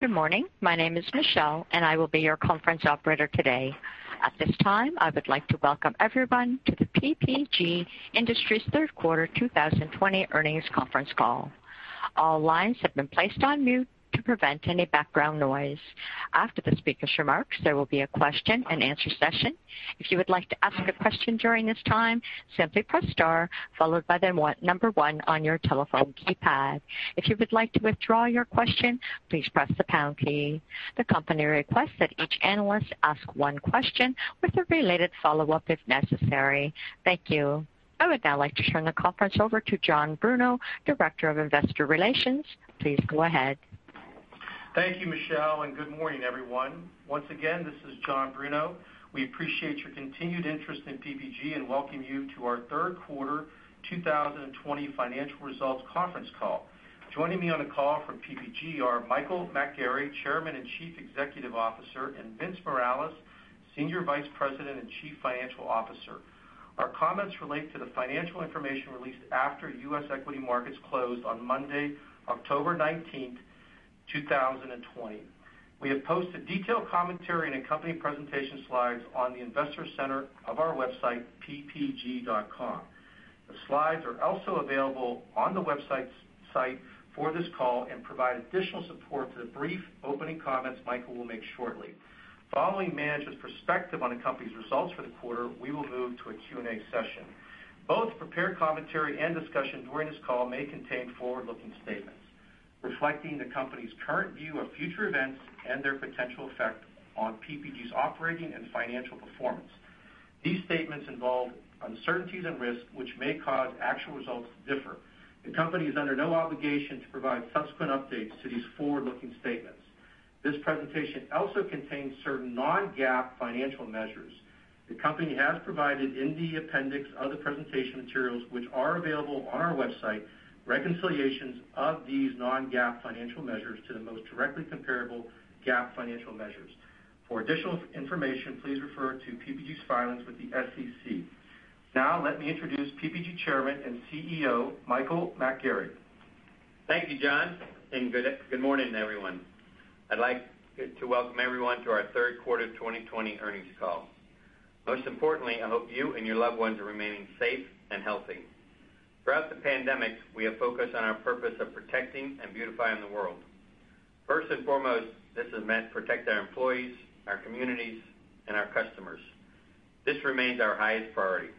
Good morning. My name is Michelle, and I will be your conference operator today. At this time, I would like to welcome everyone to the PPG Industries Q3 2020 earnings conference call. All lines have been placed on mute to prevent any background noise. After the speaker's remarks, there will be a question-and-answer session. If you would like to ask a question during this time, simply press star followed by the number one on your telephone keypad. If you would like to withdraw your question, please press the pound key. The company requests that each analyst ask one question with a related follow-up if necessary. Thank you. I would now like to turn the conference over to John Bruno, Director of Investor Relations. Please go ahead. Thank you, Michelle, and good morning, everyone. Once again, this is John Bruno. We appreciate your continued interest in PPG and welcome you to our Q3 2020 financial results conference call. Joining me on the call from PPG are Michael McGarry, Chairman and Chief Executive Officer, and Vince Morales, Senior Vice President and Chief Financial Officer. Our comments relate to the financial information released after U.S. equity markets closed on Monday, October 19th, 2020. We have posted detailed commentary and accompanying presentation slides on the investor center of our website, ppg.com. The slides are also available on the website for this call and provide additional support for the brief opening comments Michael will make shortly. Following management's perspective on the company's results for the quarter, we will move to a Q&A session. Both prepared commentary and discussion during this call may contain forward-looking statements reflecting the company's current view of future events and their potential effect on PPG's operating and financial performance. These statements involve uncertainties and risks, which may cause actual results to differ. The company is under no obligation to provide subsequent updates to these forward-looking statements. This presentation also contains certain non-GAAP financial measures. The company has provided, in the appendix of the presentation materials, which are available on our website, reconciliations of these non-GAAP financial measures to the most directly comparable GAAP financial measures. For additional information, please refer to PPG's filings with the SEC. Now, let me introduce PPG Chairman and Chief Executive Officer, Michael McGarry. Thank you, John, and good morning, everyone. I'd like to welcome everyone to our Q3 2020 earnings call. Most importantly, I hope you and your loved ones are remaining safe and healthy. Throughout the pandemic, we have focused on our purpose of protecting and beautifying the world. First and foremost, this is meant to protect our employees, our communities, and our customers. This remains our highest priority.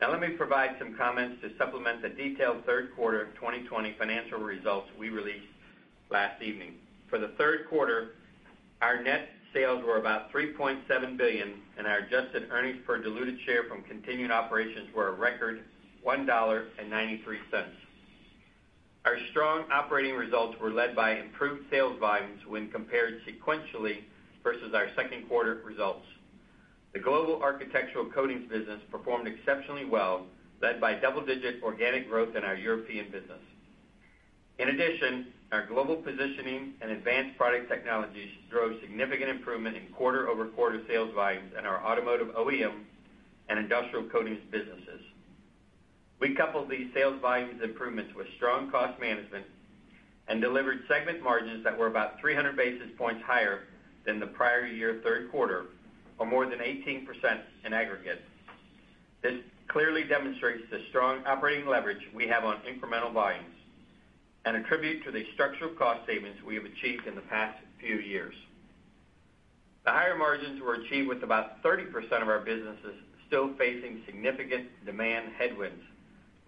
Let me provide some comments to supplement the detailed Q3 2020 financial results we released last evening. For the Q3, our net sales were about $3.7 billion, and our adjusted earnings per diluted share from continued operations were a record $1.93. Our strong operating results were led by improved sales volumes when compared sequentially versus our Q2 results. The global architectural coatings business performed exceptionally well, led by double-digit organic growth in our European business. In addition, our global positioning and advanced product technologies drove significant improvement in quarter-over-quarter sales volumes in our automotive OEM and industrial coatings businesses. We coupled these sales volumes improvements with strong cost management and delivered segment margins that were about 300 basis points higher than the prior year Q3, or more than 18% in aggregate. This clearly demonstrates the strong operating leverage we have on incremental volumes and attribute to the structural cost savings we have achieved in the past few years. The higher margins were achieved with about 30% of our businesses still facing significant demand headwinds,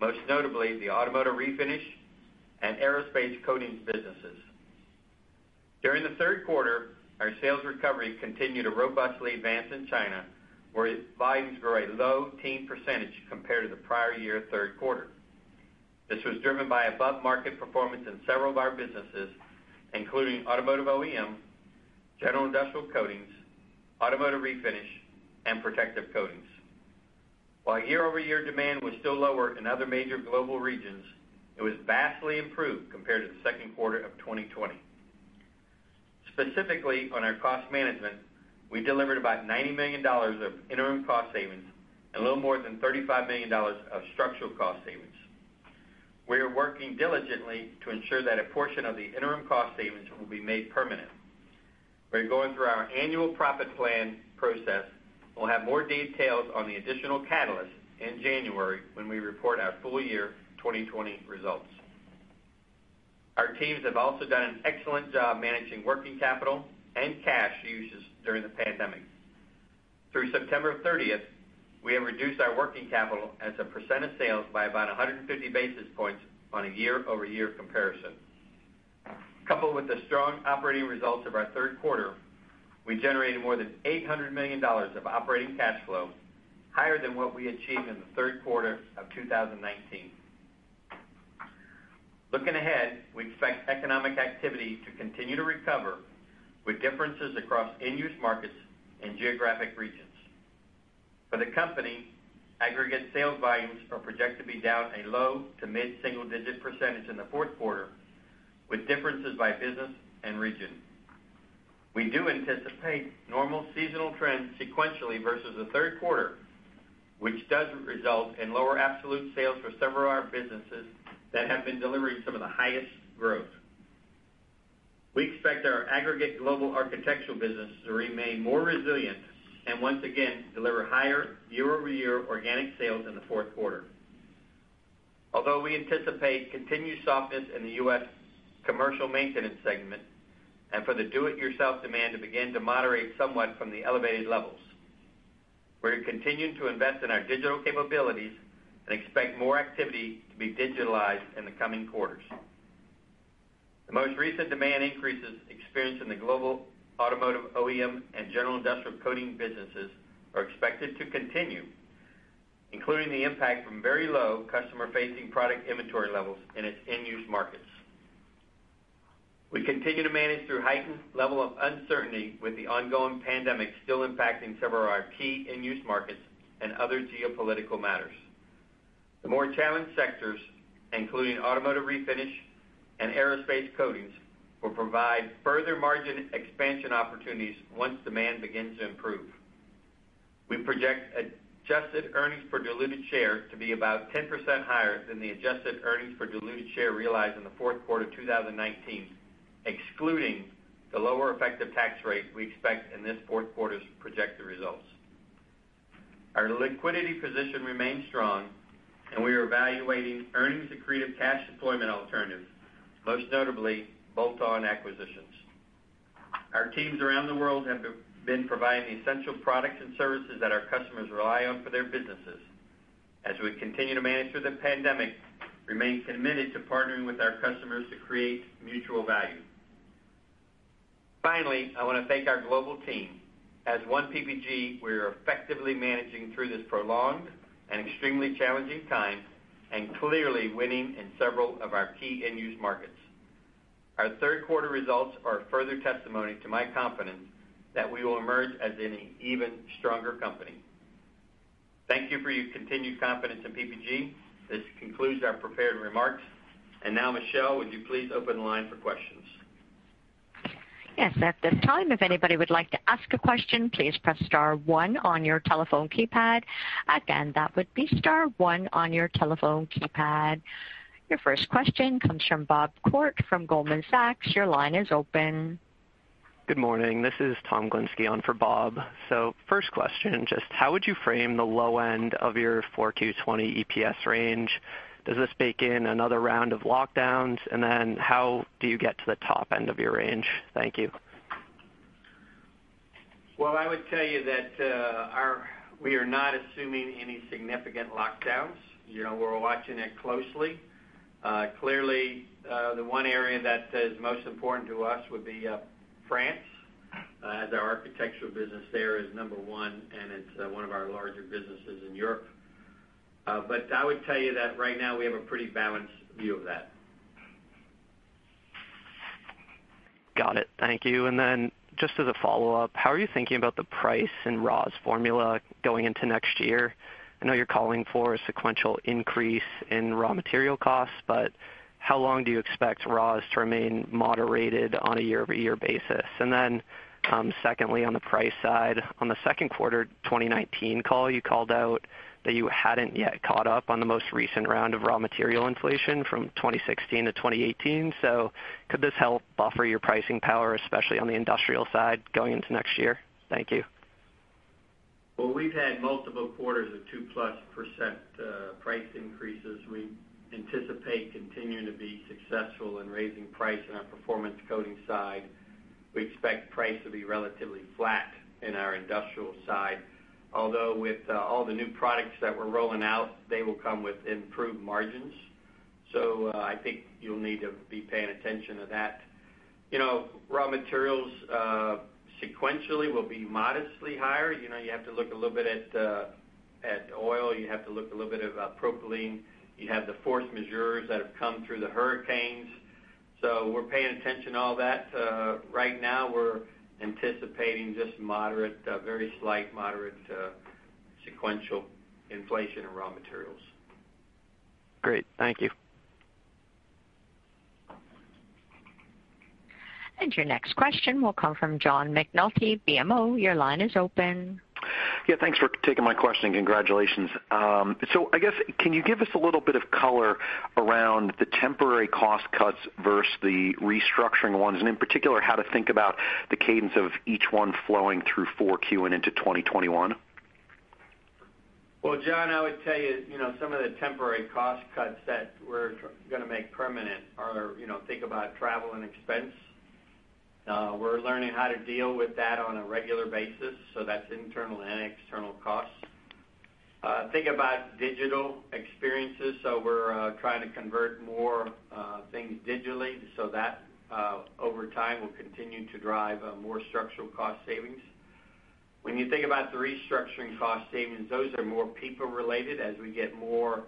most notably the automotive refinish and aerospace coatings businesses. During the Q3, our sales recovery continued to robustly advance in China, where volumes grew a low teen percentage compared to the prior year Q3. This was driven by above-market performance in several of our businesses, including automotive OEM, general industrial coatings, automotive refinish, and protective coatings. While year-over-year demand was still lower in other major global regions, it was vastly improved compared to the Q2 of 2020. Specifically, on our cost management, we delivered about $90 million of interim cost savings and a little more than $35 million of structural cost savings. We are working diligently to ensure that a portion of the interim cost savings will be made permanent. We're going through our annual profit plan process. We'll have more details on the additional catalyst in January when we report our full-year 2020 results. Our teams have also done an excellent job managing working capital and cash uses during the pandemic. Through September 30th, we have reduced our working capital as a percentage of sales by about 150 basis points on a year-over-year comparison. Coupled with the strong operating results of our Q3, we generated more than $800 million of operating cash flow, higher than what we achieved in the Q3 of 2019. Looking ahead, we expect economic activity to continue to recover with differences across end-use markets and geographic regions. For the company, aggregate sales volumes are projected to be down a low to mid-single digit percentage in the Q4, with differences by business and region. We do anticipate normal seasonal trends sequentially versus the Q3, which does result in lower absolute sales for several of our businesses that have been delivering some of the highest growth. We expect our aggregate global architectural business to remain more resilient and once again deliver higher year-over-year organic sales in the Q4. Although we anticipate continued softness in the U.S. commercial maintenance segment, and for the do-it-yourself demand to begin to moderate somewhat from the elevated levels, we're continuing to invest in our digital capabilities and expect more activity to be digitalized in the coming quarters. The most recent demand increases experienced in the global automotive OEM and general industrial coating businesses are expected to continue, including the impact from very low customer-facing product inventory levels in its end-use markets. We continue to manage through heightened level of uncertainty with the ongoing pandemic still impacting several of our key end-use markets and other geopolitical matters. The more challenged sectors, including automotive refinish and aerospace coatings, will provide further margin expansion opportunities once demand begins to improve. We project adjusted earnings per diluted share to be about 10% higher than the adjusted earnings per diluted share realized in the Q4 of 2019, excluding the lower effective tax rate we expect in this Q4's projected results. Our liquidity position remains strong, and we are evaluating earnings accretive cash deployment alternatives, most notably bolt-on acquisitions. Our teams around the world have been providing the essential products and services that our customers rely on for their businesses. As we continue to manage through the pandemic, we remain committed to partnering with our customers to create mutual value. Finally, I want to thank our global team. As one PPG, we are effectively managing through this prolonged and extremely challenging time and clearly winning in several of our key end-use markets. Our Q3 results are a further testimony to my confidence that we will emerge as an even stronger company. Thank you for your continued confidence in PPG. This concludes our prepared remarks. Now, Michelle, would you please open the line for questions? Yes. At this time, if anybody would like to ask a question, please press star one on your telephone keypad. Again, that would be star one on your telephone keypad. Your first question comes from Bob Koort from Goldman Sachs. Your line is open. Good morning. This is Tom Glinski on for Bob. First question, just how would you frame the low end of your 4Q 2020 EPS range? Does this bake in another round of lockdowns? How do you get to the top end of your range? Thank you. Well, I would tell you that we are not assuming any significant lockdowns. We're watching it closely. Clearly, the one area that is most important to us would be France, as our architectural business there is number one, and it's one of our larger businesses in Europe. I would tell you that right now, we have a pretty balanced view of that. Got it. Thank you. Just as a follow-up, how are you thinking about the price and raws formula going into next year? I know you're calling for a sequential increase in raw material costs, but how long do you expect raws to remain moderated on a year-over-year basis? Secondly, on the price side, on the Q2 2019 call, you called out that you hadn't yet caught up on the most recent round of raw material inflation from 2016 to 2018. Could this help buffer your pricing power, especially on the industrial side going into next year? Thank you. Well, we've had multiple quarters of 2+% price increases. We anticipate continuing to be successful in raising price in our performance coating side. We expect price to be relatively flat in our industrial side. With all the new products that we're rolling out, they will come with improved margins. I think you'll need to be paying attention to that. Raw materials sequentially will be modestly higher. You have to look a little bit at oil. You have to look a little bit at propylene. You have the force majeures that have come through the hurricanes. We're paying attention to all that. Right now, we're anticipating just very slight moderate sequential inflation in raw materials. Great. Thank you. Your next question will come from John McNulty, BMO. Your line is open. Thanks for taking my question, and congratulations. I guess, can you give us a little bit of color around the temporary cost cuts versus the restructuring ones, and in particular, how to think about the cadence of each one flowing through 4Q and into 2021? Well, John, I would tell you, some of the temporary cost cuts that we're going to make permanent are, think about travel and expense. We're learning how to deal with that on a regular basis, so that's internal and external costs. Think about digital experiences. We're trying to convert more things digitally, so that, over time, will continue to drive more structural cost savings. When you think about the restructuring cost savings, those are more people related as we get more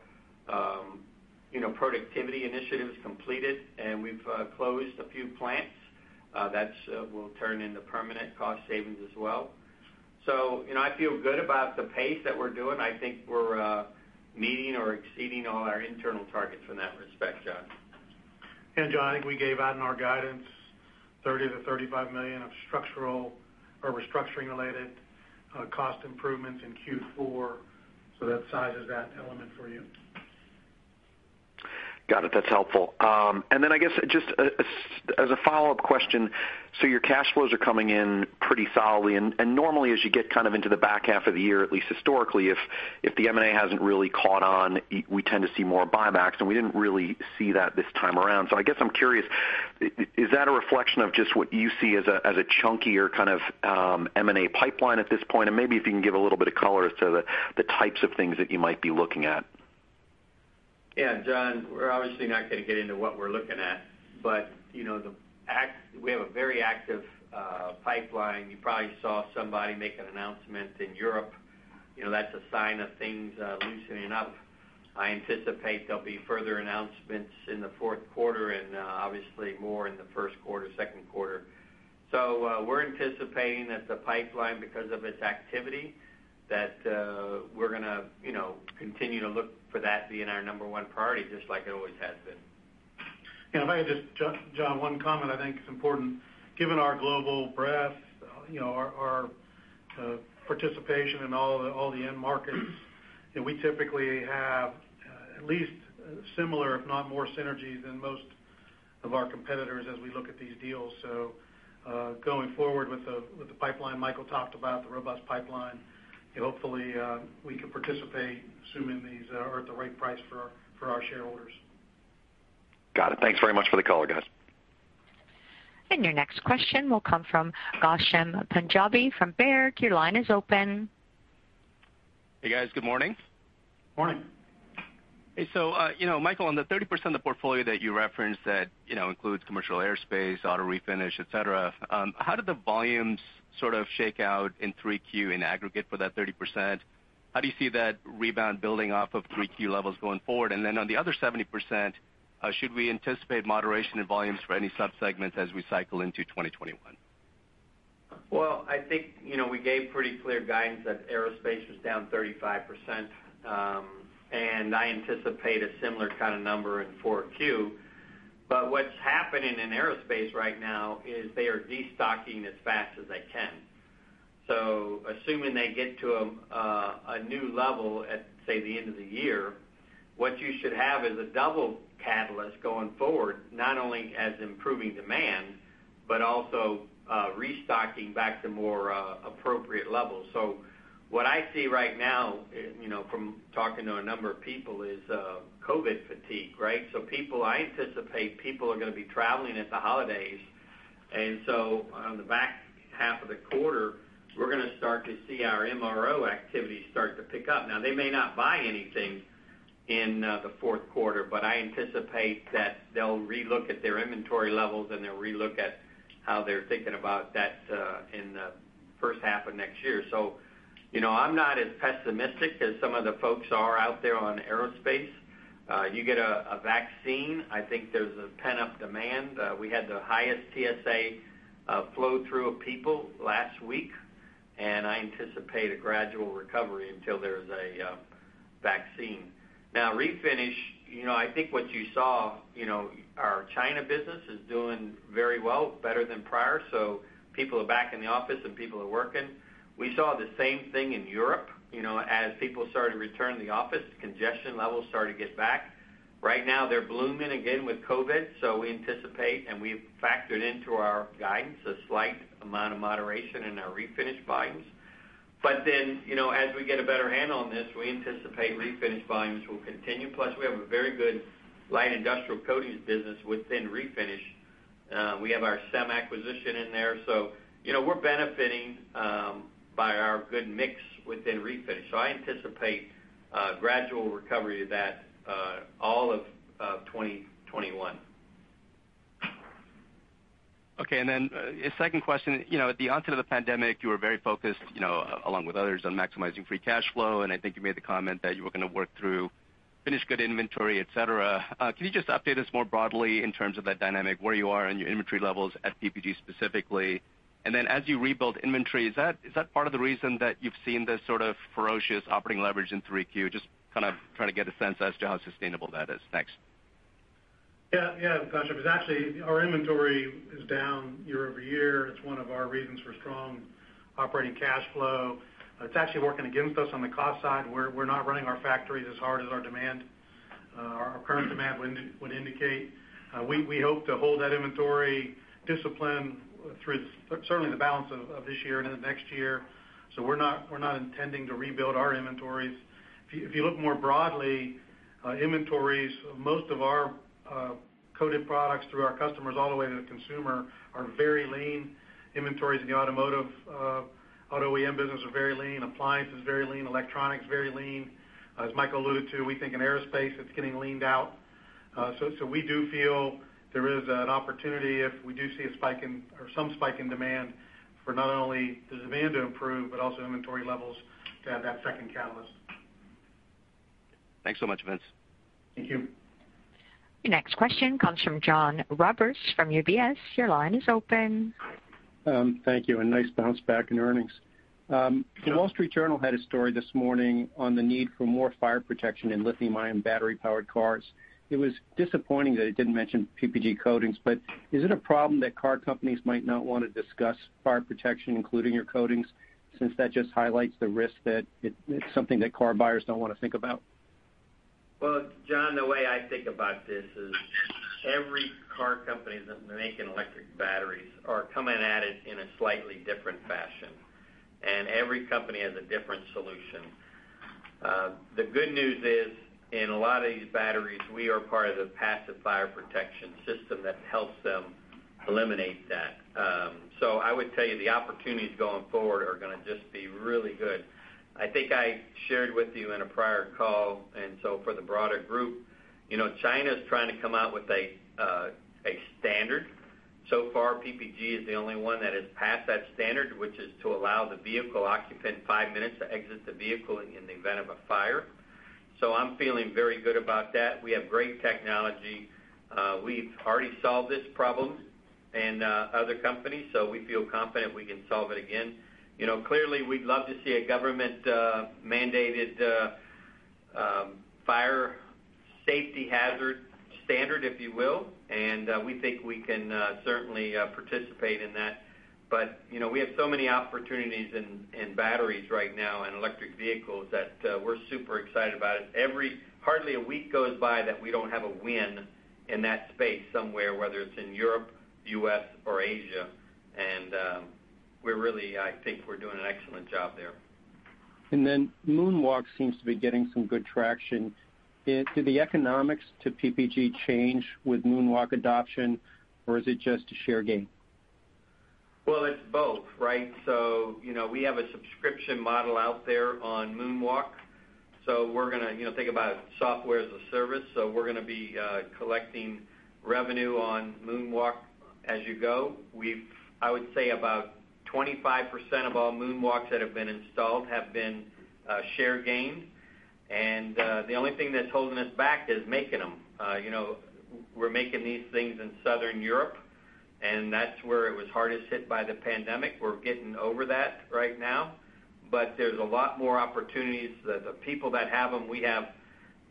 productivity initiatives completed, and we've closed a few plants. That will turn into permanent cost savings as well. I feel good about the pace that we're doing. I think we're meeting or exceeding all our internal targets in that respect, John. John, I think we gave out in our guidance $30 million-$35 million of structural or restructuring-related cost improvements in Q4. That sizes that element for you. Got it. That's helpful. Then I guess, just as a follow-up question, your cash flows are coming in pretty solidly, normally as you get into the back half of the year, at least historically, if the M&A hasn't really caught on, we tend to see more buybacks, we didn't really see that this time around. I guess I'm curious, is that a reflection of just what you see as a chunkier kind of M&A pipeline at this point? Maybe if you can give a little bit of color as to the types of things that you might be looking at. Yeah. John, we're obviously not going to get into what we're looking at. We have a very active pipeline. You probably saw somebody make an announcement in Europe. That's a sign of things loosening up. I anticipate there'll be further announcements in the Q4 and obviously more in the Q1, Q2. We're anticipating that the pipeline, because of its activity, that we're going to continue to look for that being our number one priority, just like it always has been. If I could just, John, one comment I think is important. Given our global breadth, our participation in all the end markets, we typically have at least similar, if not more synergies than most of our competitors as we look at these deals. Going forward with the pipeline Michael talked about, the robust pipeline, hopefully we can participate, assuming these are at the right price for our shareholders. Got it. Thanks very much for the color, guys. Your next question will come from Ghansham Panjabi from Baird. Your line is open. Hey, guys. Good morning. Morning. Hey. Michael, on the 30% of the portfolio that you referenced that includes commercial aerospace, auto refinish, et cetera, how did the volumes sort of shake out in 3Q in aggregate for that 30%? How do you see that rebound building off of 3Q levels going forward? On the other 70%, should we anticipate moderation in volumes for any sub-segments as we cycle into 2021? Well, I think we gave pretty clear guidance that aerospace was down 35%, and I anticipate a similar kind of number in 4Q. What's happening in aerospace right now is they are destocking as fast as they can. Assuming they get to a new level at, say, the end of the year, what you should have is a double catalyst going forward, not only as improving demand, but also restocking back to more appropriate levels. What I see right now from talking to a number of people is COVID fatigue, right? I anticipate people are going to be traveling at the holidays, and so on the back half of the quarter, we're going to start to see our MRO activity start to pick up. They may not buy anything in the Q4, but I anticipate that they'll re-look at their inventory levels, and they'll re-look at how they're thinking about that in the H1 of next year. I'm not as pessimistic as some of the folks are out there on aerospace. You get a vaccine, I think there's a pent-up demand. We had the highest TSA flow through of people last week, and I anticipate a gradual recovery until there is a vaccine. Refinish, I think what you saw, our China business is doing very well, better than prior. People are back in the office, and people are working. We saw the same thing in Europe. As people started to return to the office, congestion levels started to get back. Right now, they're blooming again with COVID. We anticipate, and we've factored into our guidance, a slight amount of moderation in our refinish volumes. As we get a better handle on this, we anticipate refinish volumes will continue. We have a very good light industrial coatings business within refinish. We have our SEM acquisition in there. We're benefiting by our good mix within refinish. I anticipate a gradual recovery of that all of 2021. Okay, a second question. At the onset of the pandemic, you were very focused, along with others, on maximizing free cash flow, and I think you made the comment that you were going to work through finished good inventory, et cetera. Can you just update us more broadly in terms of that dynamic, where you are in your inventory levels at PPG specifically? As you rebuild inventory, is that part of the reason that you've seen this sort of ferocious operating leverage in 3Q? Just kind of trying to get a sense as to how sustainable that is. Thanks. Yeah. Ghansham, because actually, our inventory is down year-over-year. It's one of our reasons for strong operating cash flow. It's actually working against us on the cost side. We're not running our factories as hard as our current demand would indicate. We hope to hold that inventory discipline through certainly the balance of this year and into next year. We're not intending to rebuild our inventories. If you look more broadly, inventories, most of our coated products through our customers all the way to the consumer are very lean. Inventories in the automotive, auto OEM business are very lean. Appliance is very lean. Electronics, very lean. As Michael alluded to, we think in aerospace, it's getting leaned out. We do feel there is an opportunity if we do see some spike in demand for not only the demand to improve, but also inventory levels to have that second catalyst. Thanks so much, Vince. Thank you. Your next question comes from John Roberts from UBS. Your line is open. Thank you. Nice bounce back in earnings. John. The Wall Street Journal had a story this morning on the need for more fire protection in lithium-ion battery-powered cars. It was disappointing that it didn't mention PPG Coatings. Is it a problem that car companies might not want to discuss fire protection, including your coatings, since that just highlights the risk that it's something that car buyers don't want to think about? Well, John, the way I think about this is, every car company that's making electric batteries are coming at it in a slightly different fashion. Every company has a different solution. The good news is, in a lot of these batteries, we are part of the passive fire protection system that helps them eliminate that. I would tell you, the opportunities going forward are gonna just be really good. I think I shared with you in a prior call for the broader group, China's trying to come out with a standard. So far, PPG is the only one that has passed that standard, which is to allow the vehicle occupant five minutes to exit the vehicle in the event of a fire. I'm feeling very good about that. We have great technology. We've already solved this problem in other companies, we feel confident we can solve it again. Clearly, we'd love to see a government-mandated fire safety hazard standard, if you will. We think we can certainly participate in that. We have so many opportunities in batteries right now, and electric vehicles, that we're super excited about it. Hardly a week goes by that we don't have a win in that space somewhere, whether it's in Europe, U.S., or Asia. We're really, I think we're doing an excellent job there. MoonWalk seems to be getting some good traction. Do the economics to PPG change with MoonWalk adoption, or is it just a share gain? Well, it's both, right? We have a subscription model out there on MoonWalk. We're gonna think about software as a service. We're gonna be collecting revenue on MoonWalk as you go. I would say about 25% of all MoonWalks that have been installed have been share gains. The only thing that's holding us back is making them. We're making these things in Southern Europe. That's where it was hardest hit by the pandemic. We're getting over that right now. There's a lot more opportunities. The people that have them, we have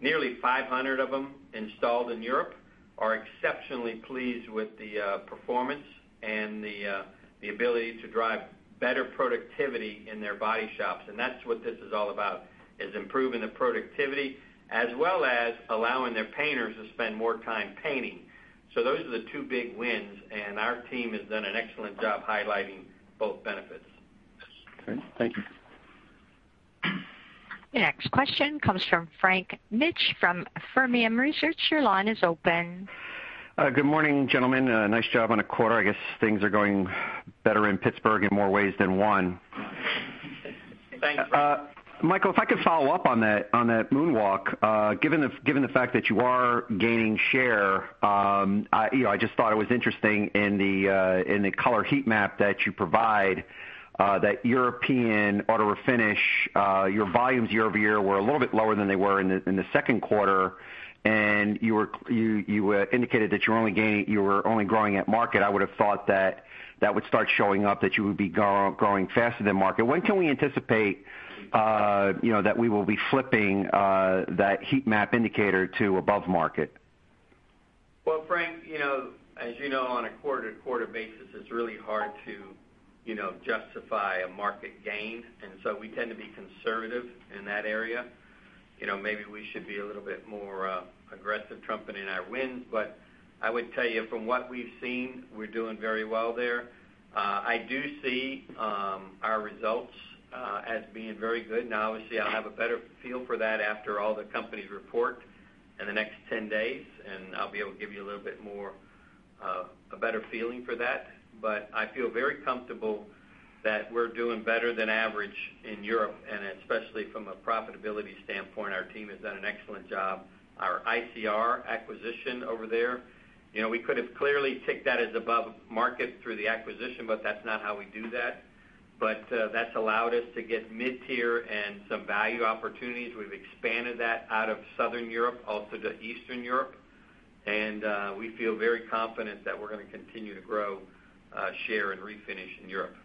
nearly 500 of them installed in Europe, are exceptionally pleased with the performance and the ability to drive better productivity in their body shops. That's what this is all about, is improving the productivity, as well as allowing their painters to spend more time painting. Those are the two big wins, and our team has done an excellent job highlighting both benefits. Okay, thank you. Your next question comes from Frank Mitsch from Fermium Research. Your line is open. Good morning, gentlemen. Nice job on the quarter. I guess things are going better in Pittsburgh in more ways than one. Thanks. Michael, if I could follow up on that MoonWalk. Given the fact that you are gaining share, I just thought it was interesting in the color heat map that you provide, that European auto refinish, your volumes year-over-year were a little bit lower than they were in the Q2. You indicated that you were only growing at market. I would've thought that would start showing up, that you would be growing faster than market. When can we anticipate that we will be flipping that heat map indicator to above market? Well, Frank, as you know, on a quarter-to-quarter basis, it's really hard to justify a market gain. We tend to be conservative in that area. Maybe we should be a little bit more aggressive trumpeting our wins. I would tell you, from what we've seen, we're doing very well there. I do see our results as being very good. Now, obviously, I'll have a better feel for that after all the companies report in the next 10 days, and I'll be able to give you a little bit more of a better feeling for that. I feel very comfortable that we're doing better than average in Europe, and especially from a profitability standpoint, our team has done an excellent job. Our ICR acquisition over there, we could've clearly ticked that as above market through the acquisition, but that's not how we do that. That's allowed us to get mid-tier and some value opportunities. We've expanded that out of Southern Europe, also to Eastern Europe. We feel very confident that we're gonna continue to grow share in refinish in Europe.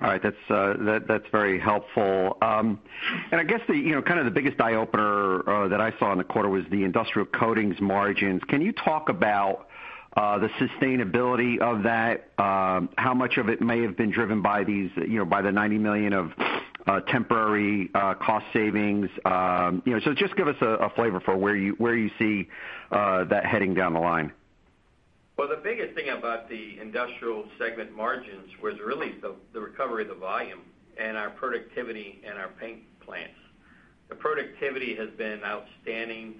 All right. That's very helpful. I guess the kind of the biggest eye-opener that I saw in the quarter was the industrial coatings margins. Can you talk about the sustainability of that? How much of it may have been driven by the $90 million of temporary cost savings? Just give us a flavor for where you see that heading down the line. Well, the biggest thing about the industrial segment margins was really the recovery of the volume and our productivity in our paint plants. The productivity has been outstanding.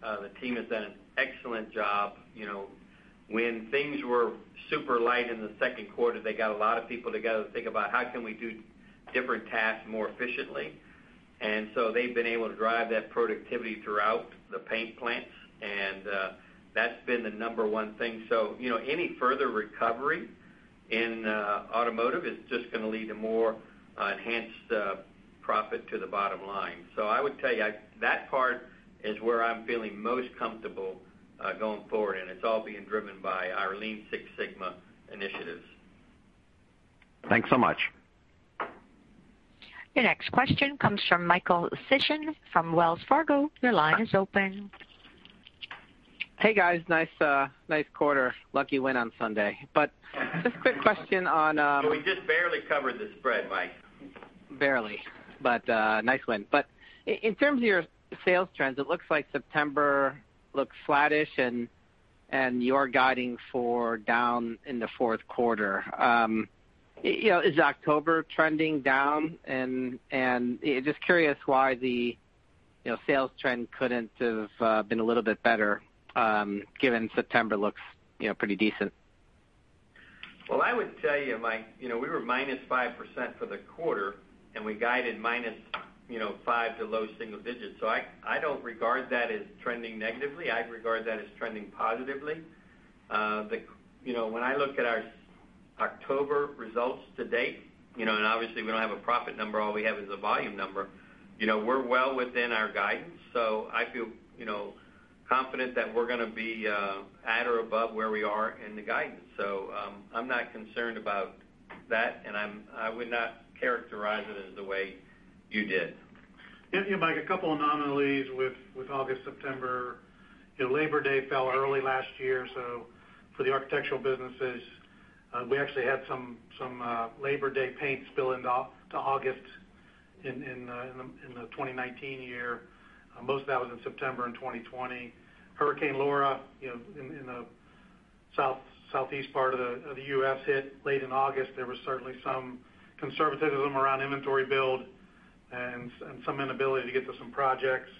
The team has done an excellent job. When things were super light in the Q2, they got a lot of people together to think about how can we do different tasks more efficiently. They've been able to drive that productivity throughout the paint plants. That's been the number one thing. Any further recovery in automotive is just going to lead to more enhanced profit to the bottom line. I would tell you, that part is where I'm feeling most comfortable going forward, and it's all being driven by our Lean Six Sigma initiatives. Thanks so much. Your next question comes from Mike Harrison from Wells Fargo. Your line is open. Hey, guys. Nice quarter. Lucky win on Sunday. We just barely covered the spread, Mike. Barely, but nice win. In terms of your sales trends, it looks like September looks flattish, and you're guiding for down in the Q4. Is October trending down? Just curious why the sales trend couldn't have been a little bit better, given September looks pretty decent. Well, I would tell you, Mike Harrison, we were -5% for the quarter, we guided -5% to low single digits. I don't regard that as trending negatively. I regard that as trending positively. When I look at our October results to-date, obviously, we don't have a profit number, all we have is a volume number, we're well within our guidance. I feel confident that we're going to be at or above where we are in the guidance. I'm not concerned about that, I would not characterize it as the way you did. Yeah, Mike, a couple anomalies with August, September. Labor Day fell early last year, so for the architectural businesses, we actually had some Labor Day paint spill into August in the 2019 year. Most of that was in September in 2020. Hurricane Laura, in the southeast part of the U.S. hit late in August. There was certainly some conservatism around inventory build and some inability to get to some projects.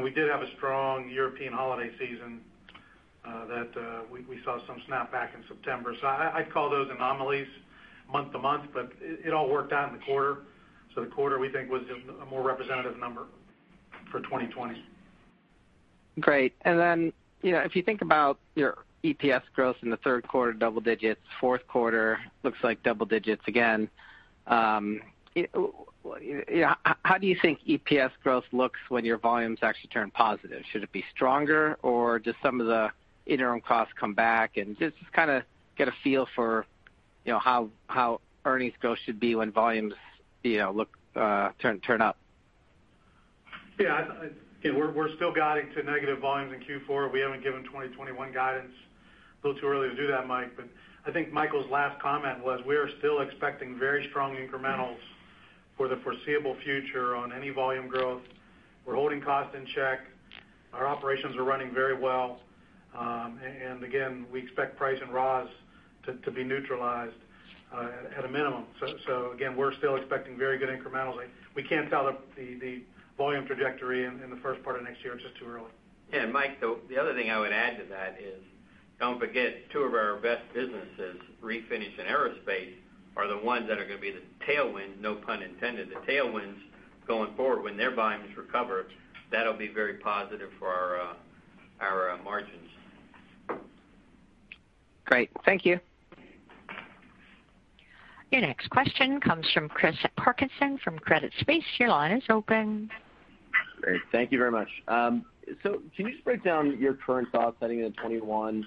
We did have a strong European holiday season that we saw some snap back in September. I'd call those anomalies month-to-month, but it all worked out in the quarter. The quarter, we think, was a more representative number for 2020. Great. If you think about your EPS growth in the Q3, double digits, Q4, looks like double digits again. How do you think EPS growth looks when your volumes actually turn positive? Should it be stronger, or does some of the interim costs come back? Just to kind of get a feel for how earnings growth should be when volumes turn up. Yeah. We're still guiding to negative volumes in Q4. We haven't given 2021 guidance. A little too early to do that, Mike. I think Michael's last comment was we are still expecting very strong incrementals for the foreseeable future on any volume growth. We're holding cost in check. Our operations are running very well. Again, we expect price and raws to be neutralized at a minimum. Again, we're still expecting very good incrementals. We can't tell the volume trajectory in the first part of next year. It's just too early. Mike, the other thing I would add to that is, don't forget, two of our best businesses, refinish and aerospace, are the ones that are going to be the tailwind, no pun intended. The tailwinds going forward when their volumes recover, that'll be very positive for our margins. Great. Thank you. Your next question comes from Chris Parkinson from Credit Suisse. Your line is open. Great. Thank you very much. Can you just break down your current thoughts heading into 2021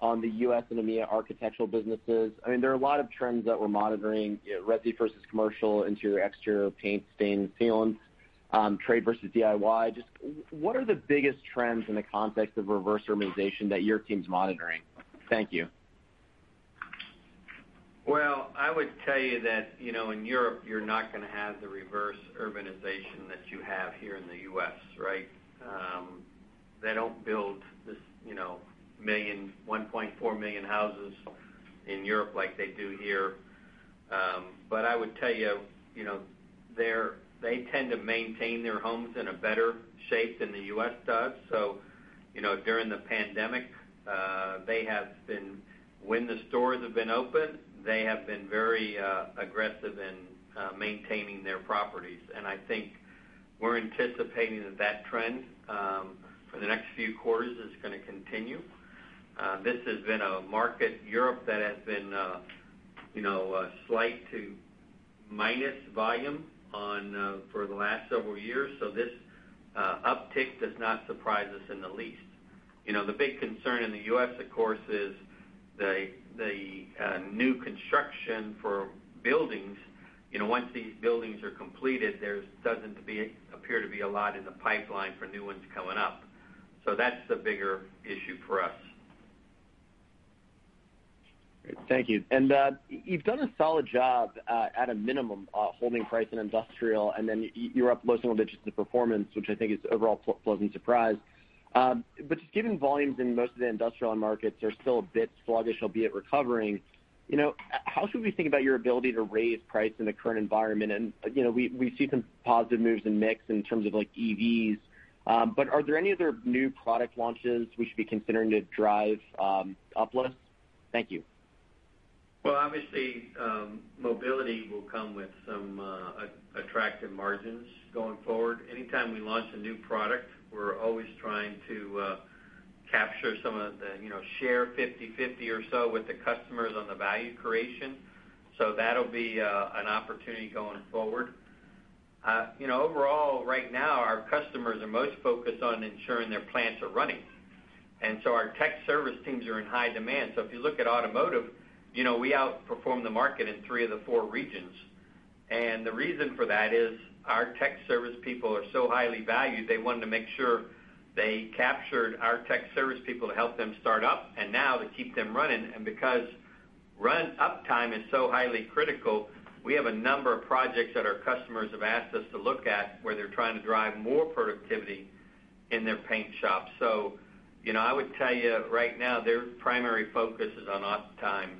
on the U.S. and EMEA architectural businesses? There are a lot of trends that we're monitoring, resi versus commercial, interior, exterior, paint, stain, sealant, trade versus DIY. Just what are the biggest trends in the context of reverse urbanization that your team's monitoring? Thank you. I would tell you that in Europe, you're not going to have the reverse urbanization that you have here in the U.S., right? They don't build this 1.4 million houses in Europe like they do here. I would tell you, they tend to maintain their homes in a better shape than the U.S. does. During the pandemic, when the stores have been open, they have been very aggressive in maintaining their properties. I think we're anticipating that trend for the next few quarters is going to continue. This has been a market, Europe, that has been a slight to minus volume for the last several years. This uptick does not surprise us in the least. The big concern in the U.S., of course, is the new construction for buildings. Once these buildings are completed, there doesn't appear to be a lot in the pipeline for new ones coming up. That's the bigger issue for us. Great. Thank you. You've done a solid job at a minimum holding price in industrial, and then you're up low single digits in the performance, which I think is overall a pleasant surprise. Just given volumes in most of the industrial end markets are still a bit sluggish, albeit recovering, how should we think about your ability to raise price in the current environment? We see some positive moves in mix in terms of like EVs. Are there any other new product launches we should be considering to drive uplifts? Thank you. Obviously, mobility will come with some attractive margins going forward. Anytime we launch a new product, we're always trying to capture some of the share, 50/50 or so, with the customers on the value creation. Overall, right now, our customers are most focused on ensuring their plants are running, so our tech service teams are in high demand. If you look at automotive, we outperformed the market in three of the four regions. The reason for that is our tech service people are so highly valued, they wanted to make sure they captured our tech service people to help them start up, and now to keep them running. Because run uptime is so highly critical, we have a number of projects that our customers have asked us to look at, where they're trying to drive more productivity in their paint shops. I would tell you right now, their primary focus is on uptime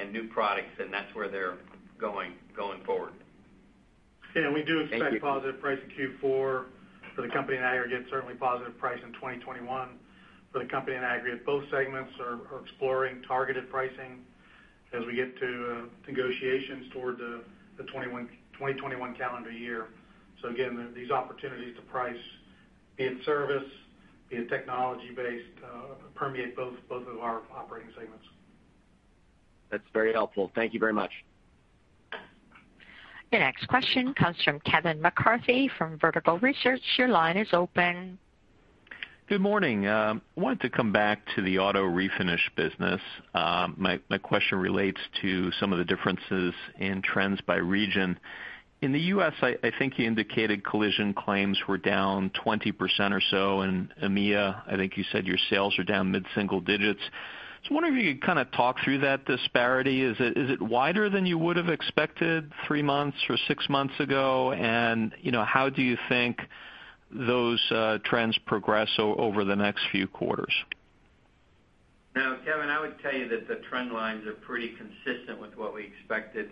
and new products, and that's where they're going forward. Yeah, we do expect. Thank you. positive price in Q4 for the company in aggregate, certainly positive price in 2021 for the company in aggregate. Both segments are exploring targeted pricing as we get to negotiations toward the 2021 calendar year. Again, these opportunities to price in service, be it technology-based, permeate both of our operating segments. That's very helpful. Thank you very much. The next question comes from Kevin McCarthy from Vertical Research. Your line is open. Good morning. I wanted to come back to the auto refinish business. My question relates to some of the differences in trends by region. In the U.S., I think you indicated collision claims were down 20% or so. In EMEA, I think you said your sales are down mid-single digits. Wondering if you could kind of talk through that disparity. Is it wider than you would've expected three months or six months ago, and how do you think those trends progress over the next few quarters? Kevin, I would tell you that the trend lines are pretty consistent with what we expected.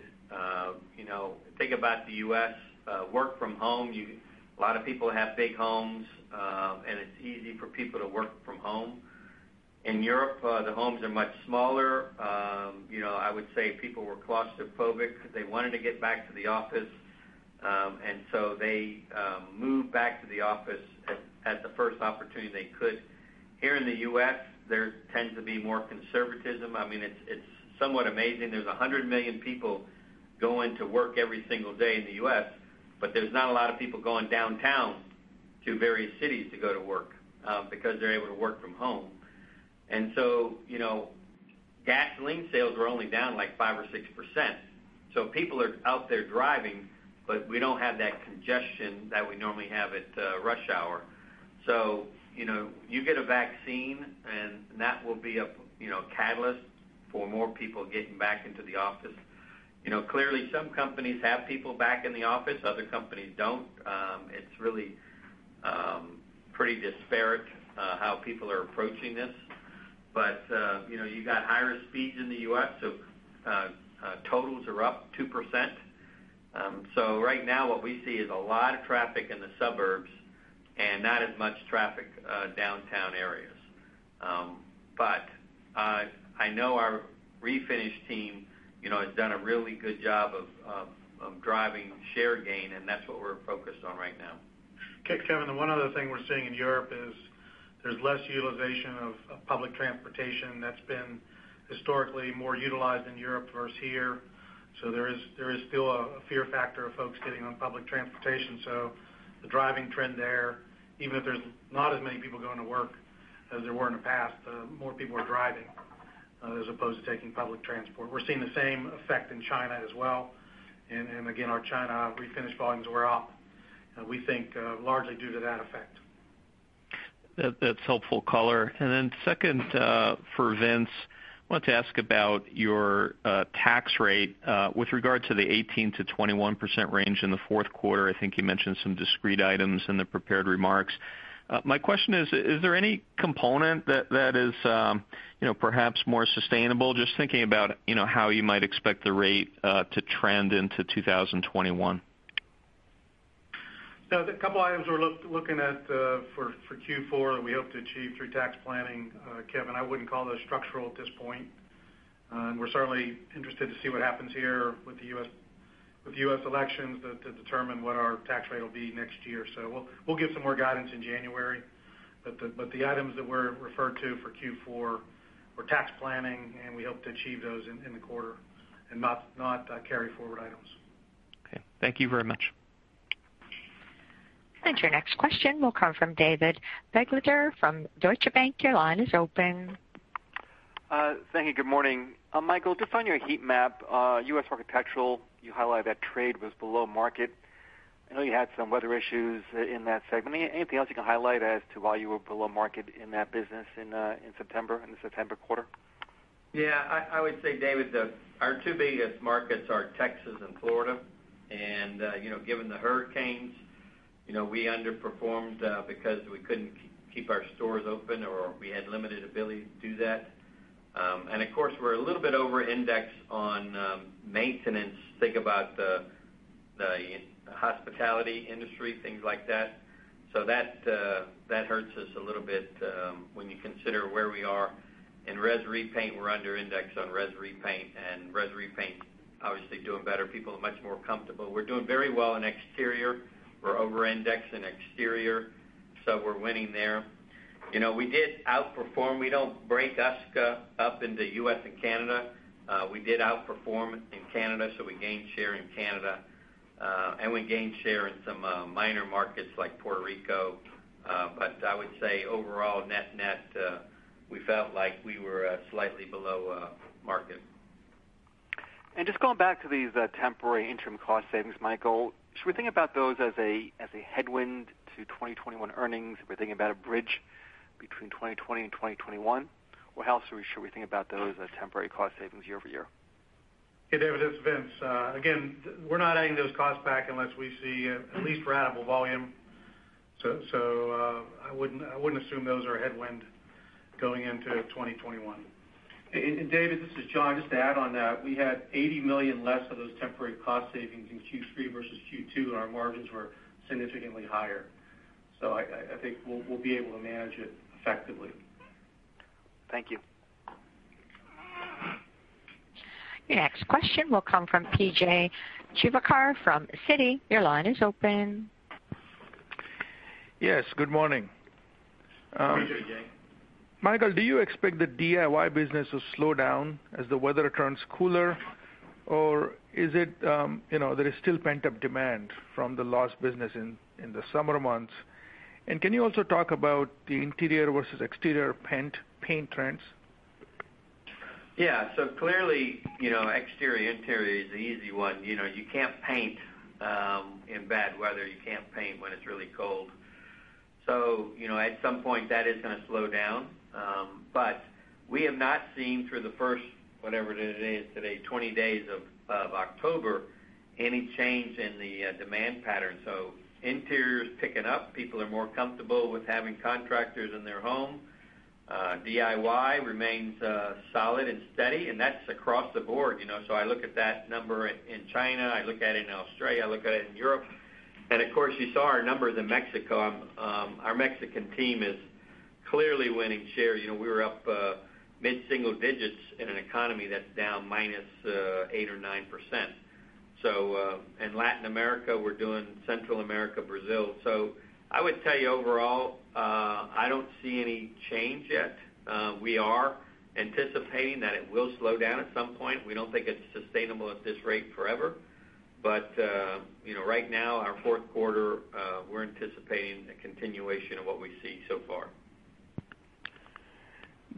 Think about the U.S. Work from home, a lot of people have big homes, and it's easy for people to work from home. In Europe, the homes are much smaller. I would say people were claustrophobic because they wanted to get back to the office. They moved back to the office at the first opportunity they could. Here in the U.S., there tends to be more conservatism. It's somewhat amazing. There's 100 million people going to work every single day in the U.S., but there's not a lot of people going downtown to various cities to go to work, because they're able to work from home. Gasoline sales were only down 5% or 6%. People are out there driving, but we don't have that congestion that we normally have at rush hour. You get a vaccine and that will be a catalyst for more people getting back into the office. Clearly, some companies have people back in the office, other companies don't. It's really pretty disparate how people are approaching this. You got higher speeds in the U.S., totals are up 2%. Right now, what we see is a lot of traffic in the suburbs and not as much traffic downtown areas. I know our refinish team has done a really good job of driving share gain, and that's what we're focused on right now. Okay, Kevin, the one other thing we're seeing in Europe is there's less utilization of public transportation. That's been historically more utilized in Europe versus here. There is still a fear factor of folks getting on public transportation. The driving trend there, even if there's not as many people going to work as there were in the past, more people are driving, as opposed to taking public transport. We're seeing the same effect in China as well. Again, our China refinish volumes were up, we think, largely due to that effect. That's helpful color. Second, for Vince, wanted to ask about your tax rate with regard to the 18%-21% range in the Q4. I think you mentioned some discrete items in the prepared remarks. My question is there any component that is perhaps more sustainable? Just thinking about how you might expect the rate to trend into 2021. The couple items we're looking at for Q4 that we hope to achieve through tax planning, Kevin, I wouldn't call those structural at this point. We're certainly interested to see what happens here with the U.S. elections to determine what our tax rate will be next year. We'll give some more guidance in January. The items that were referred to for Q4 were tax planning, and we hope to achieve those in the quarter and not carry-forward items. Okay. Thank you very much. Your next question will come from David Begleiter from Deutsche Bank. Your line is open. Thank you. Good morning. Michael, just on your heat map, US market architectural, you highlighted that trade was below market. I know you had some weather issues in that segment. Anything else you can highlight as to why you were below market in that business in the September quarter? Yeah. I would say, David, our two biggest markets are Texas and Florida, and given the hurricanes, we underperformed because we couldn't keep our stores open or we had limited ability to do that. Of course, we're a little bit over-indexed on maintenance. Think about the hospitality industry, things like that. That hurts us a little bit, when you consider where we are in res repaint, we're under index on res repaint. Res repaint, obviously doing better. People are much more comfortable. We're doing very well in exterior. We're over index in exterior. We're winning there. We did outperform. We don't break USCA up into U.S. and Canada. We did outperform in Canada. We gained share in Canada. We gained share in some minor markets like Puerto Rico. I would say overall, net-net, we felt like we were slightly below market. Just going back to these temporary interim cost savings, Michael, should we think about those as a headwind to 2021 earnings? Are we thinking about a bridge between 2020 and 2021? Or how else should we think about those as temporary cost savings year-over-year? Hey, David, this is Vince. We're not adding those costs back unless we see at least ratable volume. I wouldn't assume those are a headwind going into 2021. David, this is John. Just to add on that, we had $80 million less of those temporary cost savings in Q3 versus Q2, and our margins were significantly higher. I think we'll be able to manage it effectively. Thank you. Your next question will come from PJ Juvekar from Citi. Your line is open. Yes, good morning. PJ. Michael, do you expect the DIY business to slow down as the weather turns cooler? Or is it there is still pent up demand from the lost business in the summer months? Can you also talk about the interior versus exterior paint trends? Clearly, exterior, interior is the easy one. You can't paint in bad weather. You can't paint when it's really cold. At some point, that is gonna slow down. We have not seen through the first, whatever it is today, 20 days of October, any change in the demand pattern. Interior's picking up. People are more comfortable with having contractors in their home. DIY remains solid and steady, and that's across the board. I look at that number in China, I look at it in Australia, I look at it in Europe, and of course, you saw our numbers in Mexico. Our Mexican team is clearly winning share. We were up mid-single digits in an economy that's down minus 8%-9%. In Latin America, we're doing Central America, Brazil. I would tell you overall, I don't see any change yet. We are anticipating that it will slow down at some point. We don't think it's sustainable at this rate forever. Right now, our Q4, we're anticipating a continuation of what we see so far.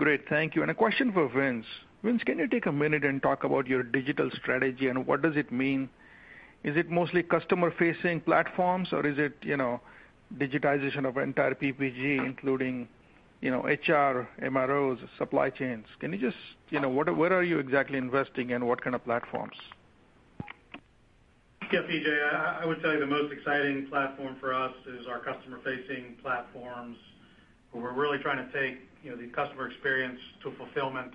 Great. Thank you. A question for Vince. Vince, can you take a minute and talk about your digital strategy and what does it mean? Is it mostly customer facing platforms, or is it digitization of entire PPG including HR, MROs, supply chains? Where are you exactly investing and what kind of platforms? Yeah, PJ, I would tell you the most exciting platform for us is our customer facing platforms, where we're really trying to take the customer experience to fulfillment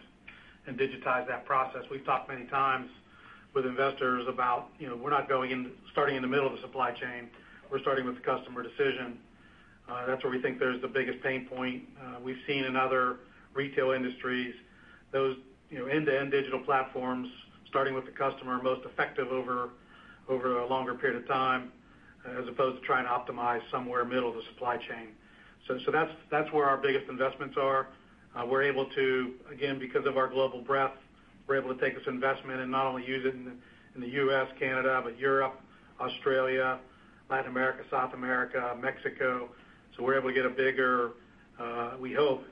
and digitize that process. We've talked many times with investors about we're not starting in the middle of the supply chain. We're starting with the customer decision. That's where we think there's the biggest pain point. We've seen in other retail industries, those end-to-end digital platforms, starting with the customer, are most effective over a longer period of time, as opposed to trying to optimize somewhere middle of the supply chain. That's where our biggest investments are. Again, because of our global breadth, we're able to take this investment and not only use it in the U.S., Canada, but Europe, Australia, Latin America, South America, Mexico. We're able to get, we hope,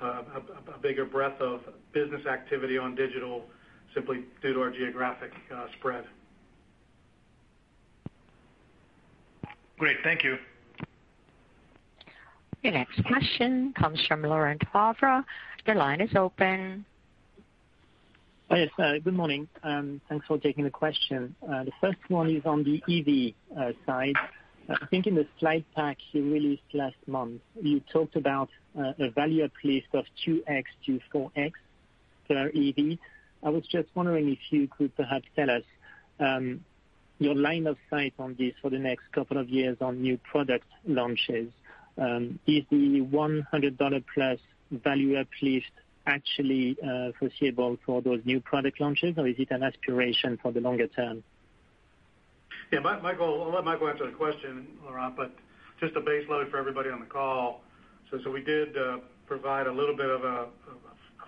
a bigger breadth of business activity on digital simply due to our geographic spread. Great. Thank you. Your next question comes from Laurent Favre. Your line is open. Yes. Good morning. Thanks for taking the question. The first one is on the EV side. I think in the slide pack you released last month, you talked about a value uplift of 2X-4X for EV. I was just wondering if you could perhaps tell us your line of sight on this for the next couple of years on new product launches. Is the $100+ value uplift actually foreseeable for those new product launches, or is it an aspiration for the longer term? Yeah. I'll let Michael answer the question, Laurent, but just a base load for everybody on the call. We did provide a little bit of a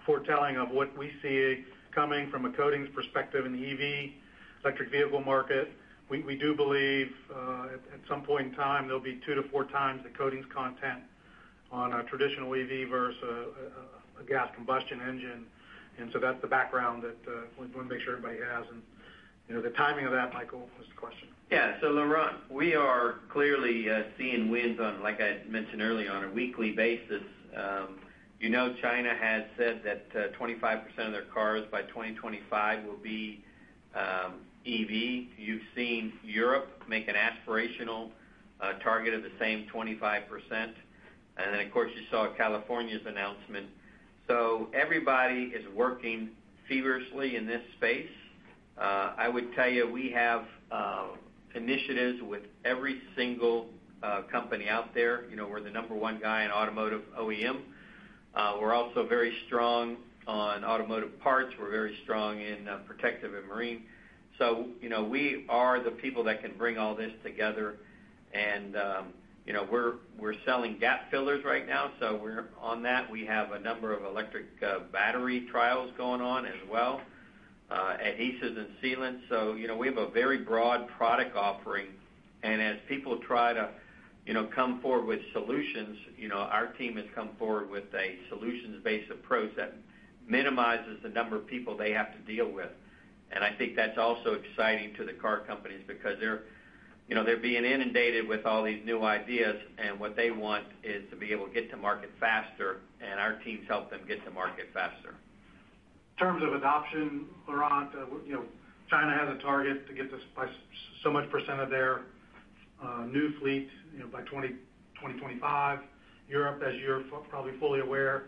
foretelling of what we see coming from a coatings perspective in the EV, electric vehicle market. We do believe, at some point in time, there'll be 2x-4x the coatings content on a traditional EV versus a gas combustion engine. That's the background that we want to make sure everybody has. The timing of that, Michael, was the question. Yeah. Laurent, we are clearly seeing wins on, like I had mentioned earlier, on a weekly basis. You know China has said that 25% of their cars by 2025 will be EV. You've seen Europe make an aspirational targeted the same 25%. Of course, you saw California's announcement. Everybody is working feverishly in this space. I would tell you, we have initiatives with every single company out there. We're the number one guy in automotive OEM. We're also very strong on automotive parts. We're very strong in protective and marine. We are the people that can bring all this together, and we're selling gap fillers right now, so we're on that. We have a number of electric battery trials going on as well. Adhesives and sealants. We have a very broad product offering, and as people try to come forward with solutions, our team has come forward with a solutions-based approach that minimizes the number of people they have to deal with. I think that's also exciting to the car companies because they're being inundated with all these new ideas, and what they want is to be able to get to market faster, and our teams help them get to market faster. In terms of adoption, Laurent, China has a target to get this by so much percentage of their new fleet by 2025. Europe, as you're probably fully aware,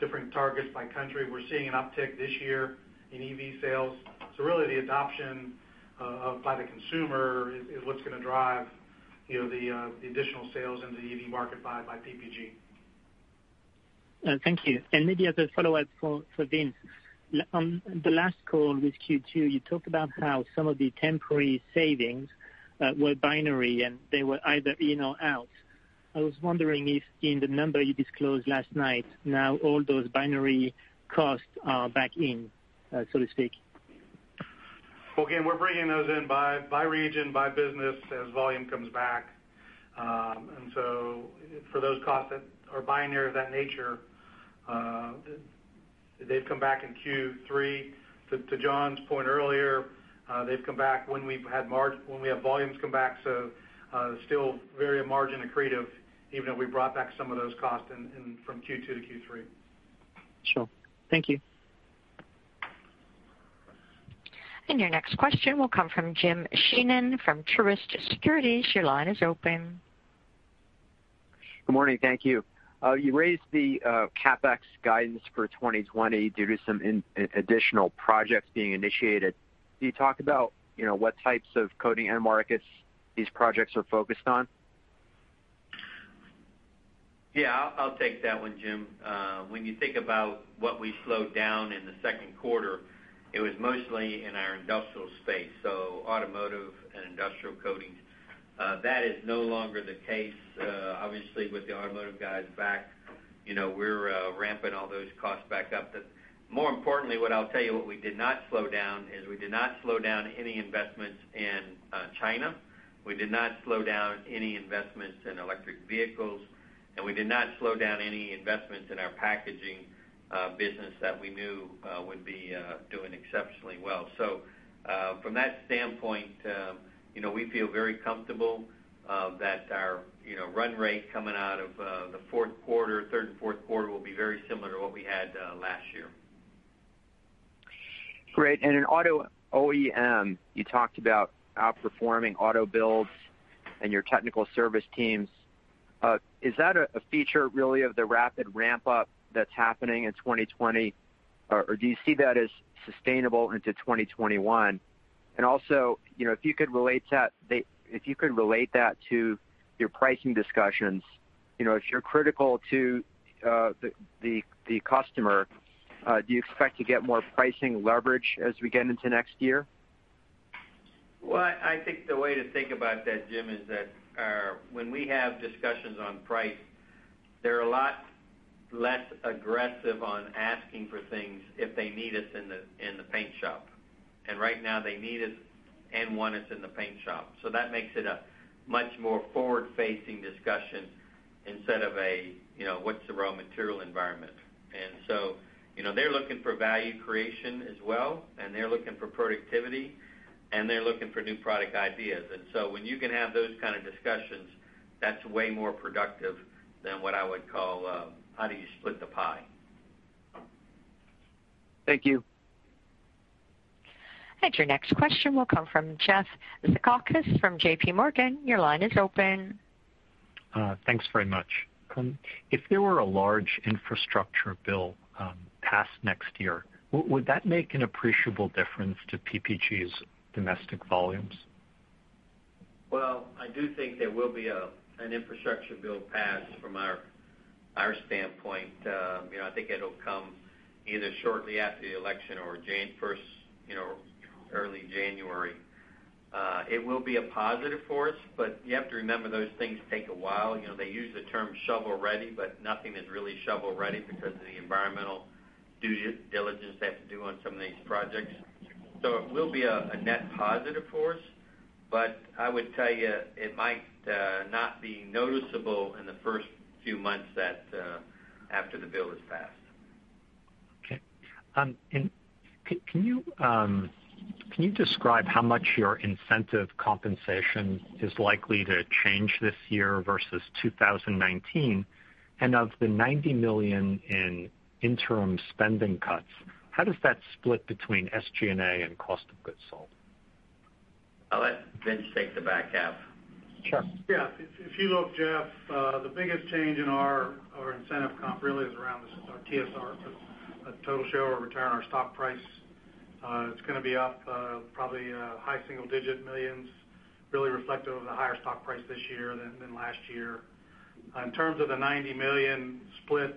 different targets by country. We're seeing an uptick this year in EV sales. Really, the adoption by the consumer is what's going to drive the additional sales in the EV market by PPG. Thank you. Maybe as a follow-up for Vince. On the last call with Q2, you talked about how some of the temporary savings were binary, and they were either in or out. I was wondering if in the number you disclosed last night, now all those binary costs are back in, so to speak. Well, again, we're bringing those in by region, by business, as volume comes back. For those costs that are binary or that nature, they've come back in Q3. To John's point earlier, they've come back when we have volumes come back, still very margin accretive, even though we brought back some of those costs from Q2-Q3. Sure. Thank you. Your next question will come from Jim Sheehan from Truist Securities. Your line is open. Good morning. Thank you. You raised the CapEx guidance for 2020 due to some additional projects being initiated. Can you talk about what types of coating end markets these projects are focused on? Yeah. I'll take that one, Jim. When you think about what we slowed down in the Q2, it was mostly in our industrial space, so automotive and industrial coatings. That is no longer the case. Obviously, with the automotive guys back, we're ramping all those costs back up. More importantly, what I'll tell you, what we did not slow down is we did not slow down any investments in China. We did not slow down any investments in electric vehicles. We did not slow down any investments in our packaging business that we knew would be doing exceptionally well. From that standpoint, we feel very comfortable that our run rate coming out of the Q4, Q3 and Q4, will be very similar to what we had last year. Great. In auto OEM, you talked about outperforming auto builds and your technical service teams. Is that a feature really of the rapid ramp-up that's happening in 2020? Do you see that as sustainable into 2021? Also, if you could relate that to your pricing discussions. If you're critical to the customer, do you expect to get more pricing leverage as we get into next year? Well, I think the way to think about that, Jim, is that when we have discussions on price, they're a lot less aggressive on asking for things if they need us in the paint shop. Right now, they need us and want us in the paint shop. That makes it a much more forward-facing discussion instead of a, what's the raw material environment? They're looking for value creation as well, and they're looking for productivity, and they're looking for new product ideas. When you can have those kind of discussions, that's way more productive than what I would call a how do you split the pie? Thank you. Your next question will come from Jeff Zekauskas from J.P. Morgan. Your line is open. Thanks very much. If there were a large infrastructure bill passed next year, would that make an appreciable difference to PPG's domestic volumes? I do think there will be an infrastructure bill passed from our standpoint. I think it'll come either shortly after the election or early January. It will be a positive for us, but you have to remember, those things take a while. They use the term shovel-ready, but nothing is really shovel-ready because of the environmental due diligence they have to do on some of these projects. It will be a net positive for us, but I would tell you, it might not be noticeable in the first few months after the bill is passed. Okay. Can you describe how much your incentive compensation is likely to change this year versus 2019? Of the $90 million in interim spending cuts, how does that split between SG&A and cost of goods sold? I'll let Vince take the back half. Sure. Yeah. If you look, Jeff, the biggest change in our incentive comp really is around our TSR, so a total shareowner return on our stock price. It's going to be up probably high single-digit millions, really reflective of the higher stock price this year than last year. In terms of the $90 million split,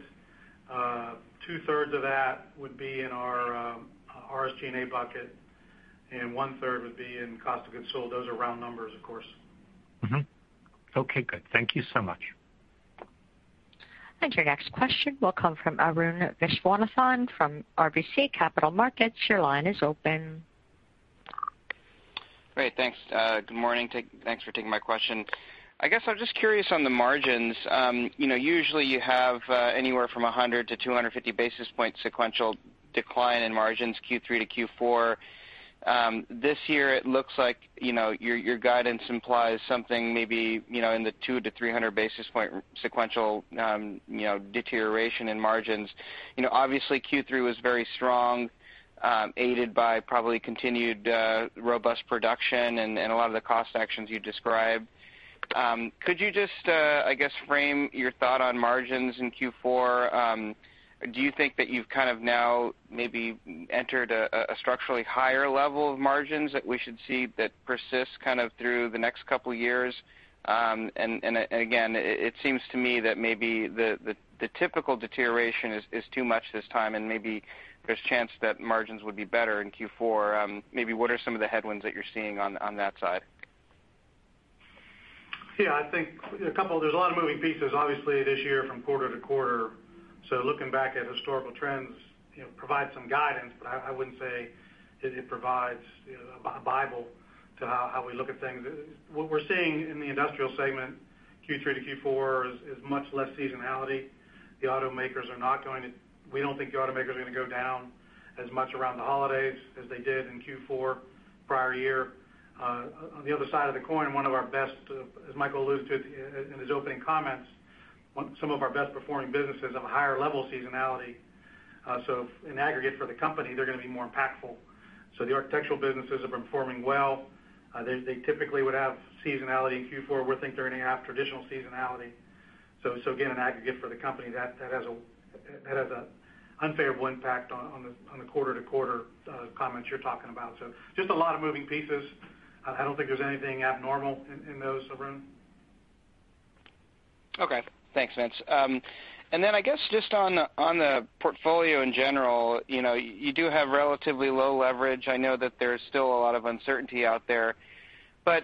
two-thirds of that would be in our SG&A bucket, and one-third would be in cost of goods sold. Those are round numbers, of course. Mm-hmm. Okay, good. Thank you so much. Your next question will come from Arun Viswanathan from RBC Capital Markets. Your line is open. Great, thanks. Good morning. Thanks for taking my question. I guess I was just curious on the margins. Usually you have anywhere from 100-250 basis point sequential decline in margins Q3-Q4. This year it looks like your guidance implies something maybe in the two-300 basis point sequential deterioration in margins. Obviously Q3 was very strong, aided by probably continued robust production and a lot of the cost actions you described. Could you just, I guess, frame your thought on margins in Q4? Do you think that you've kind of now maybe entered a structurally higher level of margins that we should see that persist kind of through the next couple of years? Again, it seems to me that maybe the typical deterioration is too much this time, and maybe there's chance that margins would be better in Q4. What are some of the headwinds that you're seeing on that side? Yeah, I think there's a lot of moving pieces, obviously, this year from quarter-to-quarter. Looking back at historical trends provides some guidance, but I wouldn't say it provides a Bible to how we look at things. What we're seeing in the industrial segment, Q3-Q4, is much less seasonality. We don't think the automakers are going to go down as much around the holidays as they did in Q4 prior year. On the other side of the coin, as Michael alluded to in his opening comments, some of our best performing businesses have a higher level of seasonality. In aggregate for the company, they're going to be more impactful. The architectural businesses have been performing well. They typically would have seasonality in Q4. We think they're going to have traditional seasonality. Again, in aggregate for the company, that has an unfavorable impact on the quarter-to-quarter comments you're talking about. Just a lot of moving pieces. I don't think there's anything abnormal in those, Arun. Okay. Thanks, Vince. I guess just on the portfolio in general, you do have relatively low leverage. I know that there's still a lot of uncertainty out there. I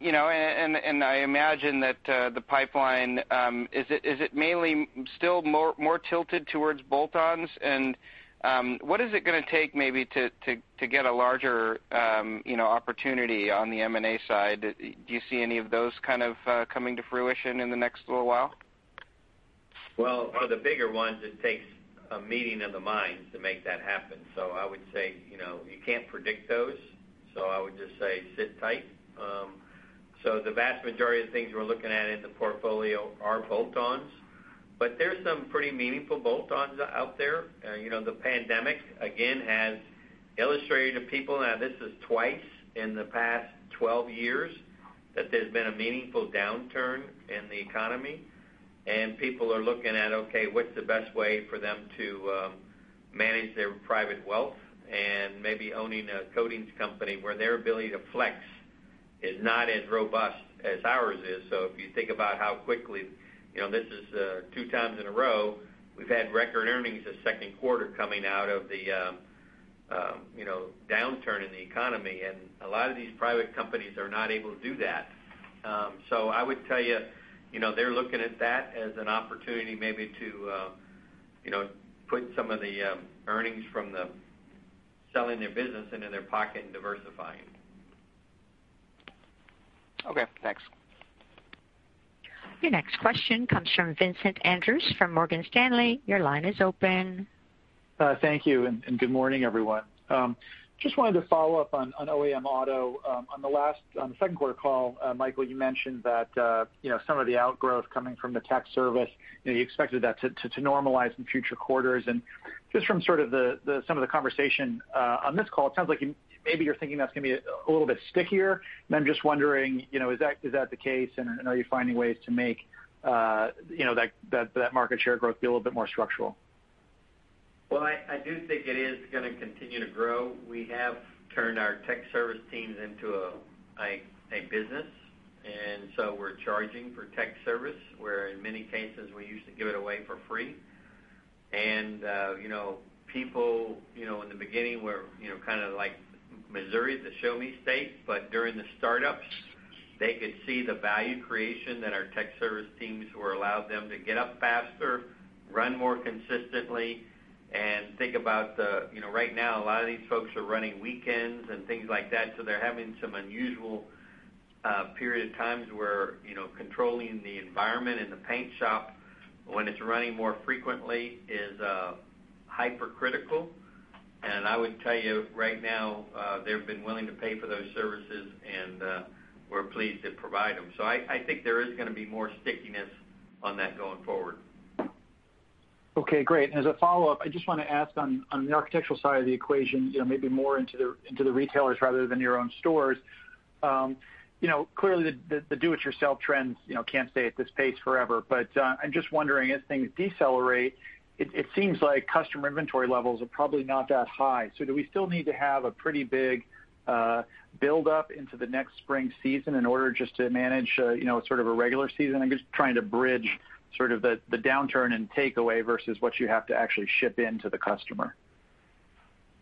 imagine that the pipeline, is it mainly still more tilted towards bolt-ons? What is it going to take maybe to get a larger opportunity on the M&A side? Do you see any of those kind of coming to fruition in the next little while? Well, for the bigger ones, it takes a meeting of the minds to make that happen. I would say you can't predict those, I would just say sit tight. The vast majority of the things we're looking at in the portfolio are bolt-ons, but there's some pretty meaningful bolt-ons out there. The pandemic, again, has illustrated to people, now this is twice in the past 12 years, that there's been a meaningful downturn in the economy. And people are looking at, okay, what's the best way for them to manage their private wealth? And maybe owning a coatings company where their ability to flex is not as robust as ours is. If you think about how quickly, this is two times in a row, we've had record earnings this Q2 coming out of the downturn in the economy. A lot of these private companies are not able to do that. I would tell you, they're looking at that as an opportunity maybe to put some of the earnings from selling their business into their pocket and diversifying. Okay, thanks. Your next question comes from Vincent Andrews from Morgan Stanley. Your line is open. Thank you. Good morning, everyone. Just wanted to follow-up on OEM auto. On the Q2 call, Michael, you mentioned that some of the outgrowth coming from the tech service, you expected that to normalize in future quarters. Just from sort of some of the conversation on this call, it sounds like maybe you're thinking that's going to be a little bit stickier. I'm just wondering, is that the case? Are you finding ways to make that market share growth be a little bit more structural? Well, I do think it is going to continue to grow. We have turned our tech service teams into a business, we're charging for tech service, where in many cases, we used to give it away for free. People in the beginning were kind of like Missouri, the Show Me State, but during the startups, they could see the value creation that our tech service teams were allowing them to get up faster, run more consistently, and think about right now, a lot of these folks are running weekends and things like that, so they're having some unusual period of times where controlling the environment in the paint shop when it's running more frequently is hypercritical. I would tell you right now they've been willing to pay for those services, and we're pleased to provide them. I think there is going to be more stickiness on that going forward. Okay, great. As a follow-up, I just want to ask on the architectural side of the equation, maybe more into the retailers rather than your own stores. Clearly, the do-it-yourself trends can't stay at this pace forever. I'm just wondering, as things decelerate, it seems like customer inventory levels are probably not that high. Do we still need to have a pretty big buildup into the next spring season in order just to manage sort of a regular season? I'm just trying to bridge sort of the downturn in takeaway versus what you have to actually ship in to the customer.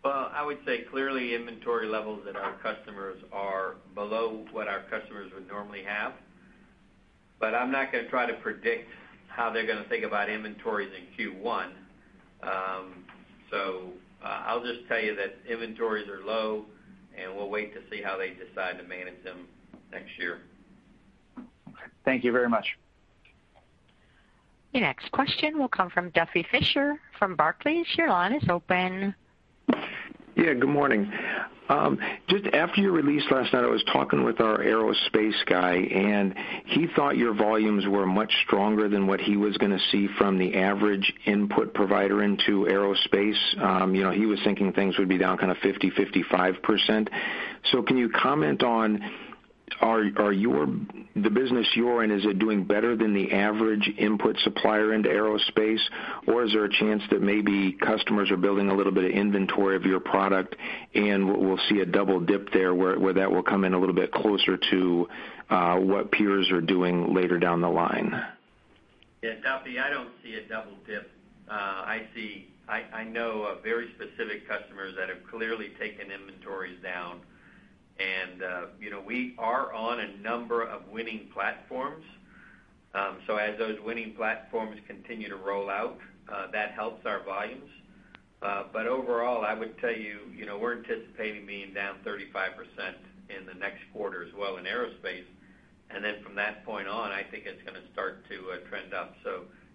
Well, I would say clearly inventory levels at our customers are below what our customers would normally have. I'm not going to try to predict how they're going to think about inventories in Q1. I'll just tell you that inventories are low, and we'll wait to see how they decide to manage them next year. Thank you very much. Your next question will come from Duffy Fischer from Barclays. Your line is open. Good morning. Just after you released last night, I was talking with our aerospace guy, and he thought your volumes were much stronger than what he was going to see from the average input provider into aerospace. He was thinking things would be down kind of 50%, 55%. Can you comment on, the business you're in, is it doing better than the average input supplier into aerospace? Is there a chance that maybe customers are building a little bit of inventory of your product, and we'll see a double dip there, where that will come in a little bit closer to what peers are doing later down the line? Yeah, Duffy, I don't see a double dip. I know of very specific customers that have clearly taken inventories down. We are on a number of winning platforms. As those winning platforms continue to roll out, that helps our volumes. Overall, I would tell you, we're anticipating being down 35% in the next quarter as well in aerospace. From that point on, I think it's going to start to trend up.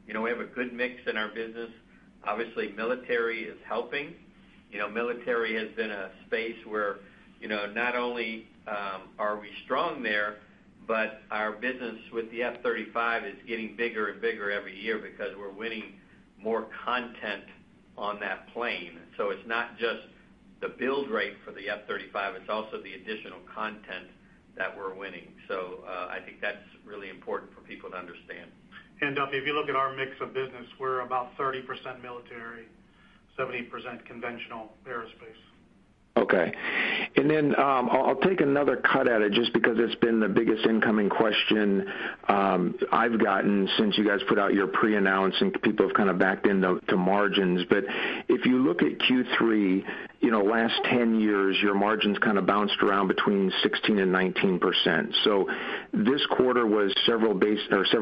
We have a good mix in our business. Obviously, military is helping. Military has been a space where not only are we strong there, but our business with the F-35 is getting bigger and bigger every year because we're winning more content on that plane. It's not just the build rate for the F-35, it's also the additional content that we're winning. I think that's really important for people to understand. Duffy, if you look at our mix of business, we're about 30% military, 70% conventional aerospace. Okay. I'll take another cut at it just because it's been the biggest incoming question I've gotten since you guys put out your pre-announce, and people have kind of backed into margins. If you look at Q3, last 10 years, your margins kind of bounced around between 16%-19%. This quarter was several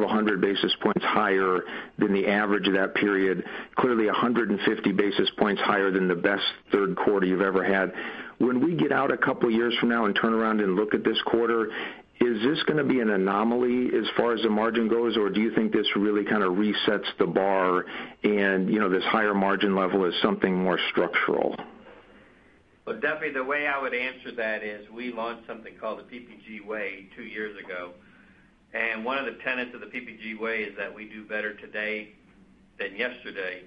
hundred basis points higher than the average of that period. Clearly 150 basis points higher than the best third quarter you've ever had. When we get out a couple of years from now and turn around and look at this quarter, is this going to be an anomaly as far as the margin goes, or do you think this really kind of resets the bar and this higher margin level is something more structural? Well, Duffy, the way I would answer that is we launched something called the PPG Way two years ago. One of the tenets of the PPG Way is that we do better today than yesterday,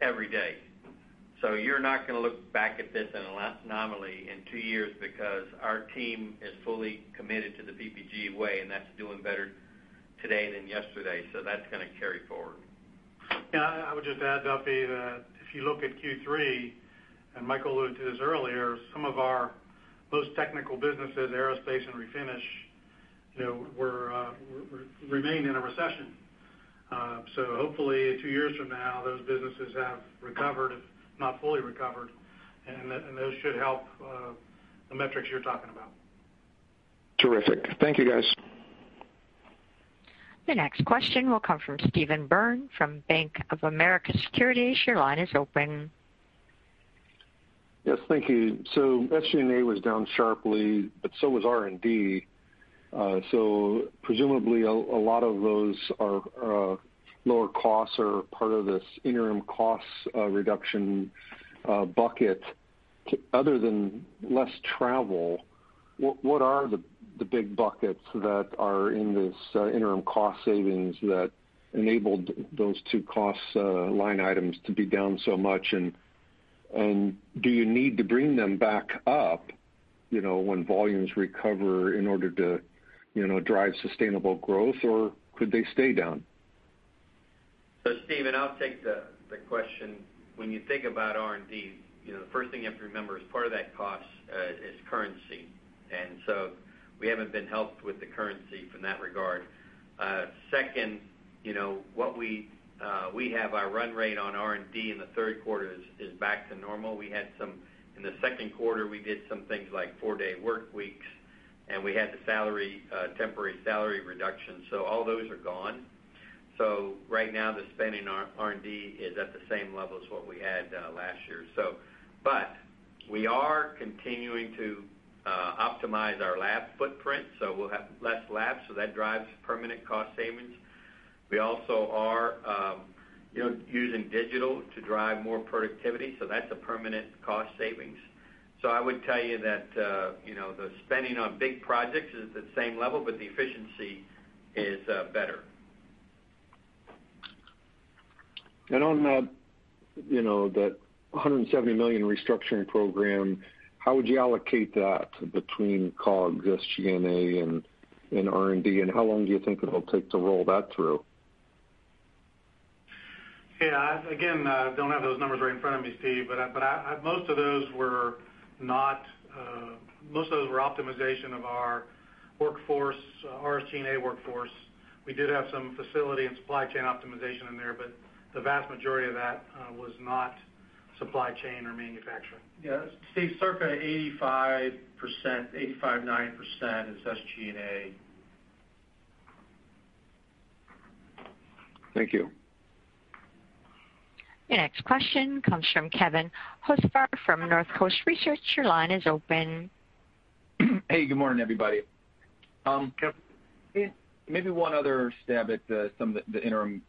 every day. You're not going to look back at this as an anomaly in two years because our team is fully committed to the PPG Way, and that's doing better today than yesterday. That's going to carry forward. I would just add, Duffy, that if you look at Q3, and Michael alluded to this earlier, some of our most technical businesses, aerospace and refinish, remained in a recession. Hopefully two years from now, those businesses have recovered, if not fully recovered, and those should help the metrics you're talking about. Terrific. Thank you, guys. The next question will come from Stephen Byrne from Bank of America Securities. Your line is open. Yes. Thank you. SG&A was down sharply, but so was R&D. Presumably a lot of those lower costs are part of this interim cost reduction bucket. Other than less travel, what are the big buckets that are in this interim cost savings that enabled those two cost line items to be down so much? Do you need to bring them back up when volumes recover in order to drive sustainable growth, or could they stay down? Stephen, I'll take the question. When you think about R&D, the first thing you have to remember is part of that cost is currency. We haven't been helped with the currency from that regard. Second, we have our run rate on R&D in the Q3 is back to normal. In the Q2, we did some things like four-day work weeks, and we had the temporary salary reduction. All those are gone. Right now, the spend in R&D is at the same level as what we had last year. We are continuing to optimize our lab footprint, so we'll have less labs, so that drives permanent cost savings. We also are using digital to drive more productivity, so that's a permanent cost savings. I would tell you that the spending on big projects is at the same level, but the efficiency is better. On that $170 million restructuring program, how would you allocate that between COGS, SG&A, and in R&D, and how long do you think it'll take to roll that through? Yeah. Again, don't have those numbers right in front of me, Steve, but most of those were optimization of our workforce, our SG&A workforce. We did have some facility and supply chain optimization in there, but the vast majority of that was not supply chain or manufacturing. Yeah. Steve, circa 85%, 85%, 90% is SG&A. Thank you. Your next question comes from Kevin Hocevar from Northcoast Research. Your line is open. Hey, good morning, everybody. Kevin. Maybe one other stab at some of the interim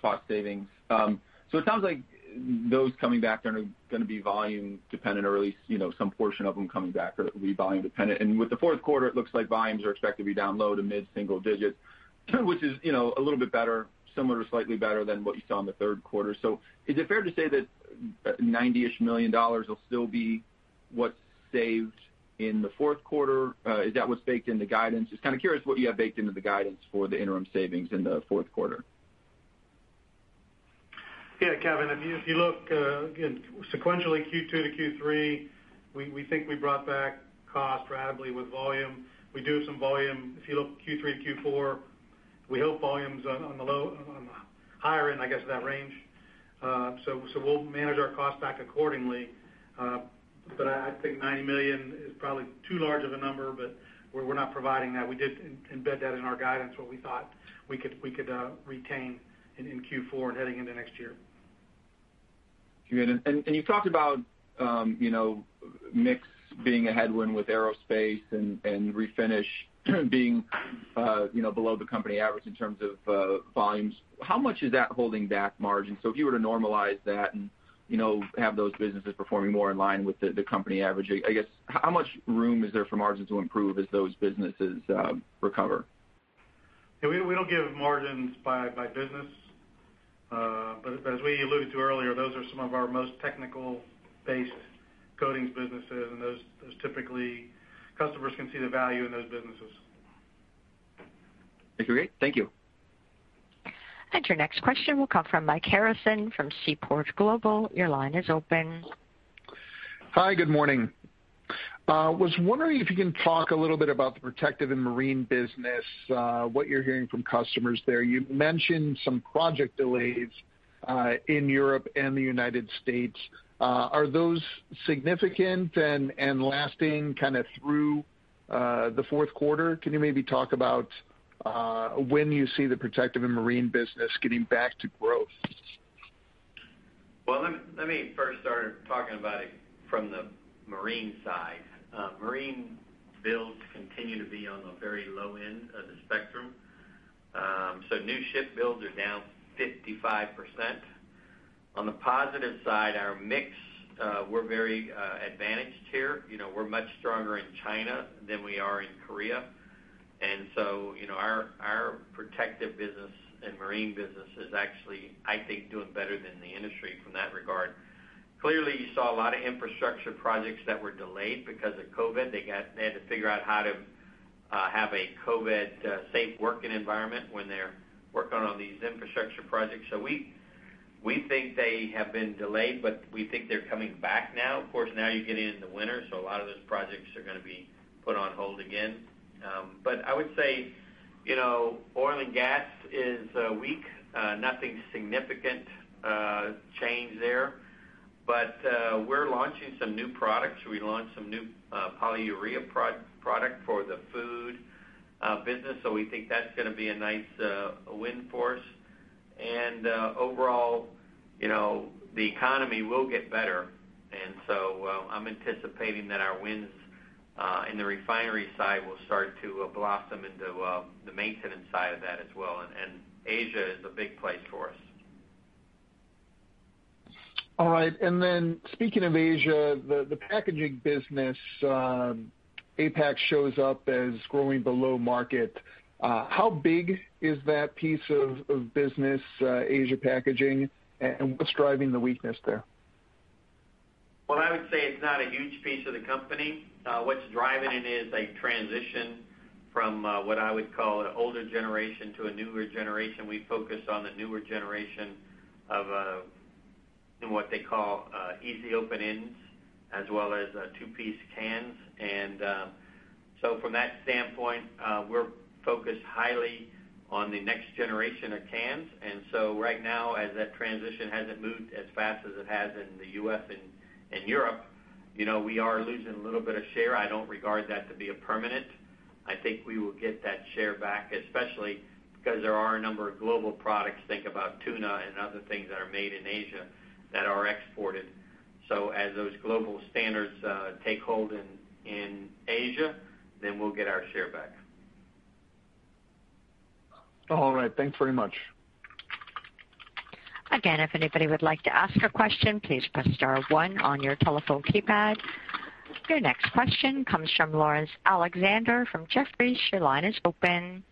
cost savings. It sounds like those coming back are going to be volume dependent, or at least some portion of them coming back will be volume dependent. With the Q4, it looks like volumes are expected to be down low to mid-single digits, which is a little bit better, similar to slightly better than what you saw in the Q3. Is it fair to say that $90-ish million will still be what's saved in the Q4? Is that what's baked into guidance? Just kind of curious what you have baked into the guidance for the interim savings in the Q4. Yeah, Kevin, if you look, again, sequentially, Q2-Q3, we think we brought back cost ratably with volume. We do have some volume. If you look Q3-Q4, we hope volume's on the higher end, I guess, of that range. We'll manage our cost back accordingly. I think $90 million is probably too large of a number, but we're not providing that. We did embed that in our guidance, what we thought we could retain in Q4 and heading into next year. You talked about mix being a headwind with aerospace and refinish being below the company average in terms of volumes. How much is that holding back margin? If you were to normalize that and have those businesses performing more in line with the company average, I guess, how much room is there for margin to improve as those businesses recover? We don't give margins by business. As we alluded to earlier, those are some of our most technical-based coatings businesses, and those typically, customers can see the value in those businesses. Okay, great. Thank you. Your next question will come from Mike Harrison from Seaport Global. Your line is open. Hi, good morning. Was wondering if you can talk a little bit about the Protective and Marine business, what you're hearing from customers there. You mentioned some project delays in Europe and the United States. Are those significant and lasting kind of through the Q4? Can you maybe talk about when you see the Protective and Marine business getting back to growth? Let me first start talking about it from the marine side. Marine builds continue to be on the very low end of the spectrum. New ship builds are down 55%. On the positive side, our mix, we're very advantaged here. We're much stronger in China than we are in Korea. Our protective business and marine business is actually, I think, doing better than the industry from that regard. Clearly, you saw a lot of infrastructure projects that were delayed because of COVID. They had to figure out how to have a COVID safe working environment when they're working on these infrastructure projects. We think they have been delayed, but we think they're coming back now. Of course, now you're getting into winter, a lot of those projects are gonna be put on hold again. I would say, oil and gas is weak. Nothing significant change there. We're launching some new products. We launched some new polyurea product for the food business, we think that's gonna be a nice win for us. Overall, the economy will get better. I'm anticipating that our wins in the refinery side will start to blossom into the maintenance side of that as well, Asia is a big place for us. All right. Speaking of Asia, the packaging business, APAC shows up as growing below market. How big is that piece of business, Asia packaging, and what's driving the weakness there? Well, I would say it's not a huge piece of the company. What's driving it is a transition from what I would call an older generation to a newer generation. We focus on the newer generation of what they call easy open ends, as well as two-piece cans. From that standpoint, we're focused highly on the next generation of cans. Right now, as that transition hasn't moved as fast as it has in the U.S. and Europe, we are losing a little bit of share. I don't regard that to be permanent. I think we will get that share back, especially because there are a number of global products, think about tuna and other things that are made in Asia that are exported. As those global standards take hold in Asia, then we'll get our share back. All right. Thanks very much. If anybody would like to ask a question, please press star one on your telephone keypad. Your next question comes from Laurence Alexander from Jefferies. Your line is open.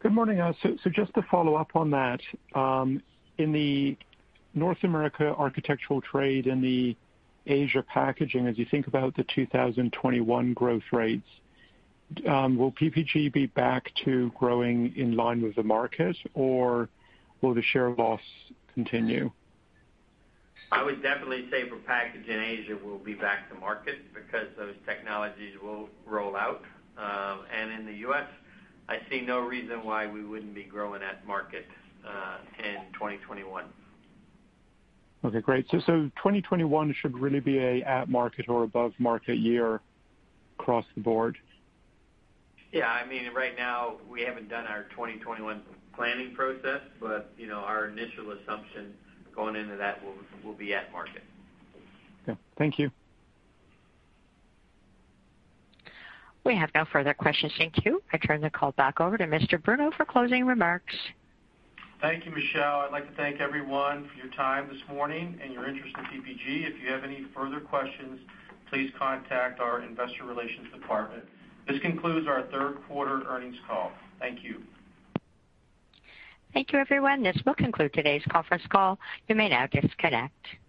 Good morning. Just to follow-up on that. In the North America architectural trade and the Asia packaging, as you think about the 2021 growth rates, will PPG be back to growing in line with the market or will the share loss continue? I would definitely say for packaging Asia, we'll be back to market because those technologies will roll out. In the U.S., I see no reason why we wouldn't be growing at market in 2021. Okay, great. 2021 should really be at market or above market year across the board? Yeah. Right now, we haven't done our 2021 planning process, but our initial assumption going into that will be at market. Okay. Thank you. We have no further questions. Thank you. I turn the call back over to Mr. Bruno for closing remarks. Thank you, Michelle. I'd like to thank everyone for your time this morning and your interest in PPG. If you have any further questions, please contact our investor relations department. This concludes our Q3 earnings call. Thank you. Thank you, everyone. This will conclude today's conference call. You may now disconnect.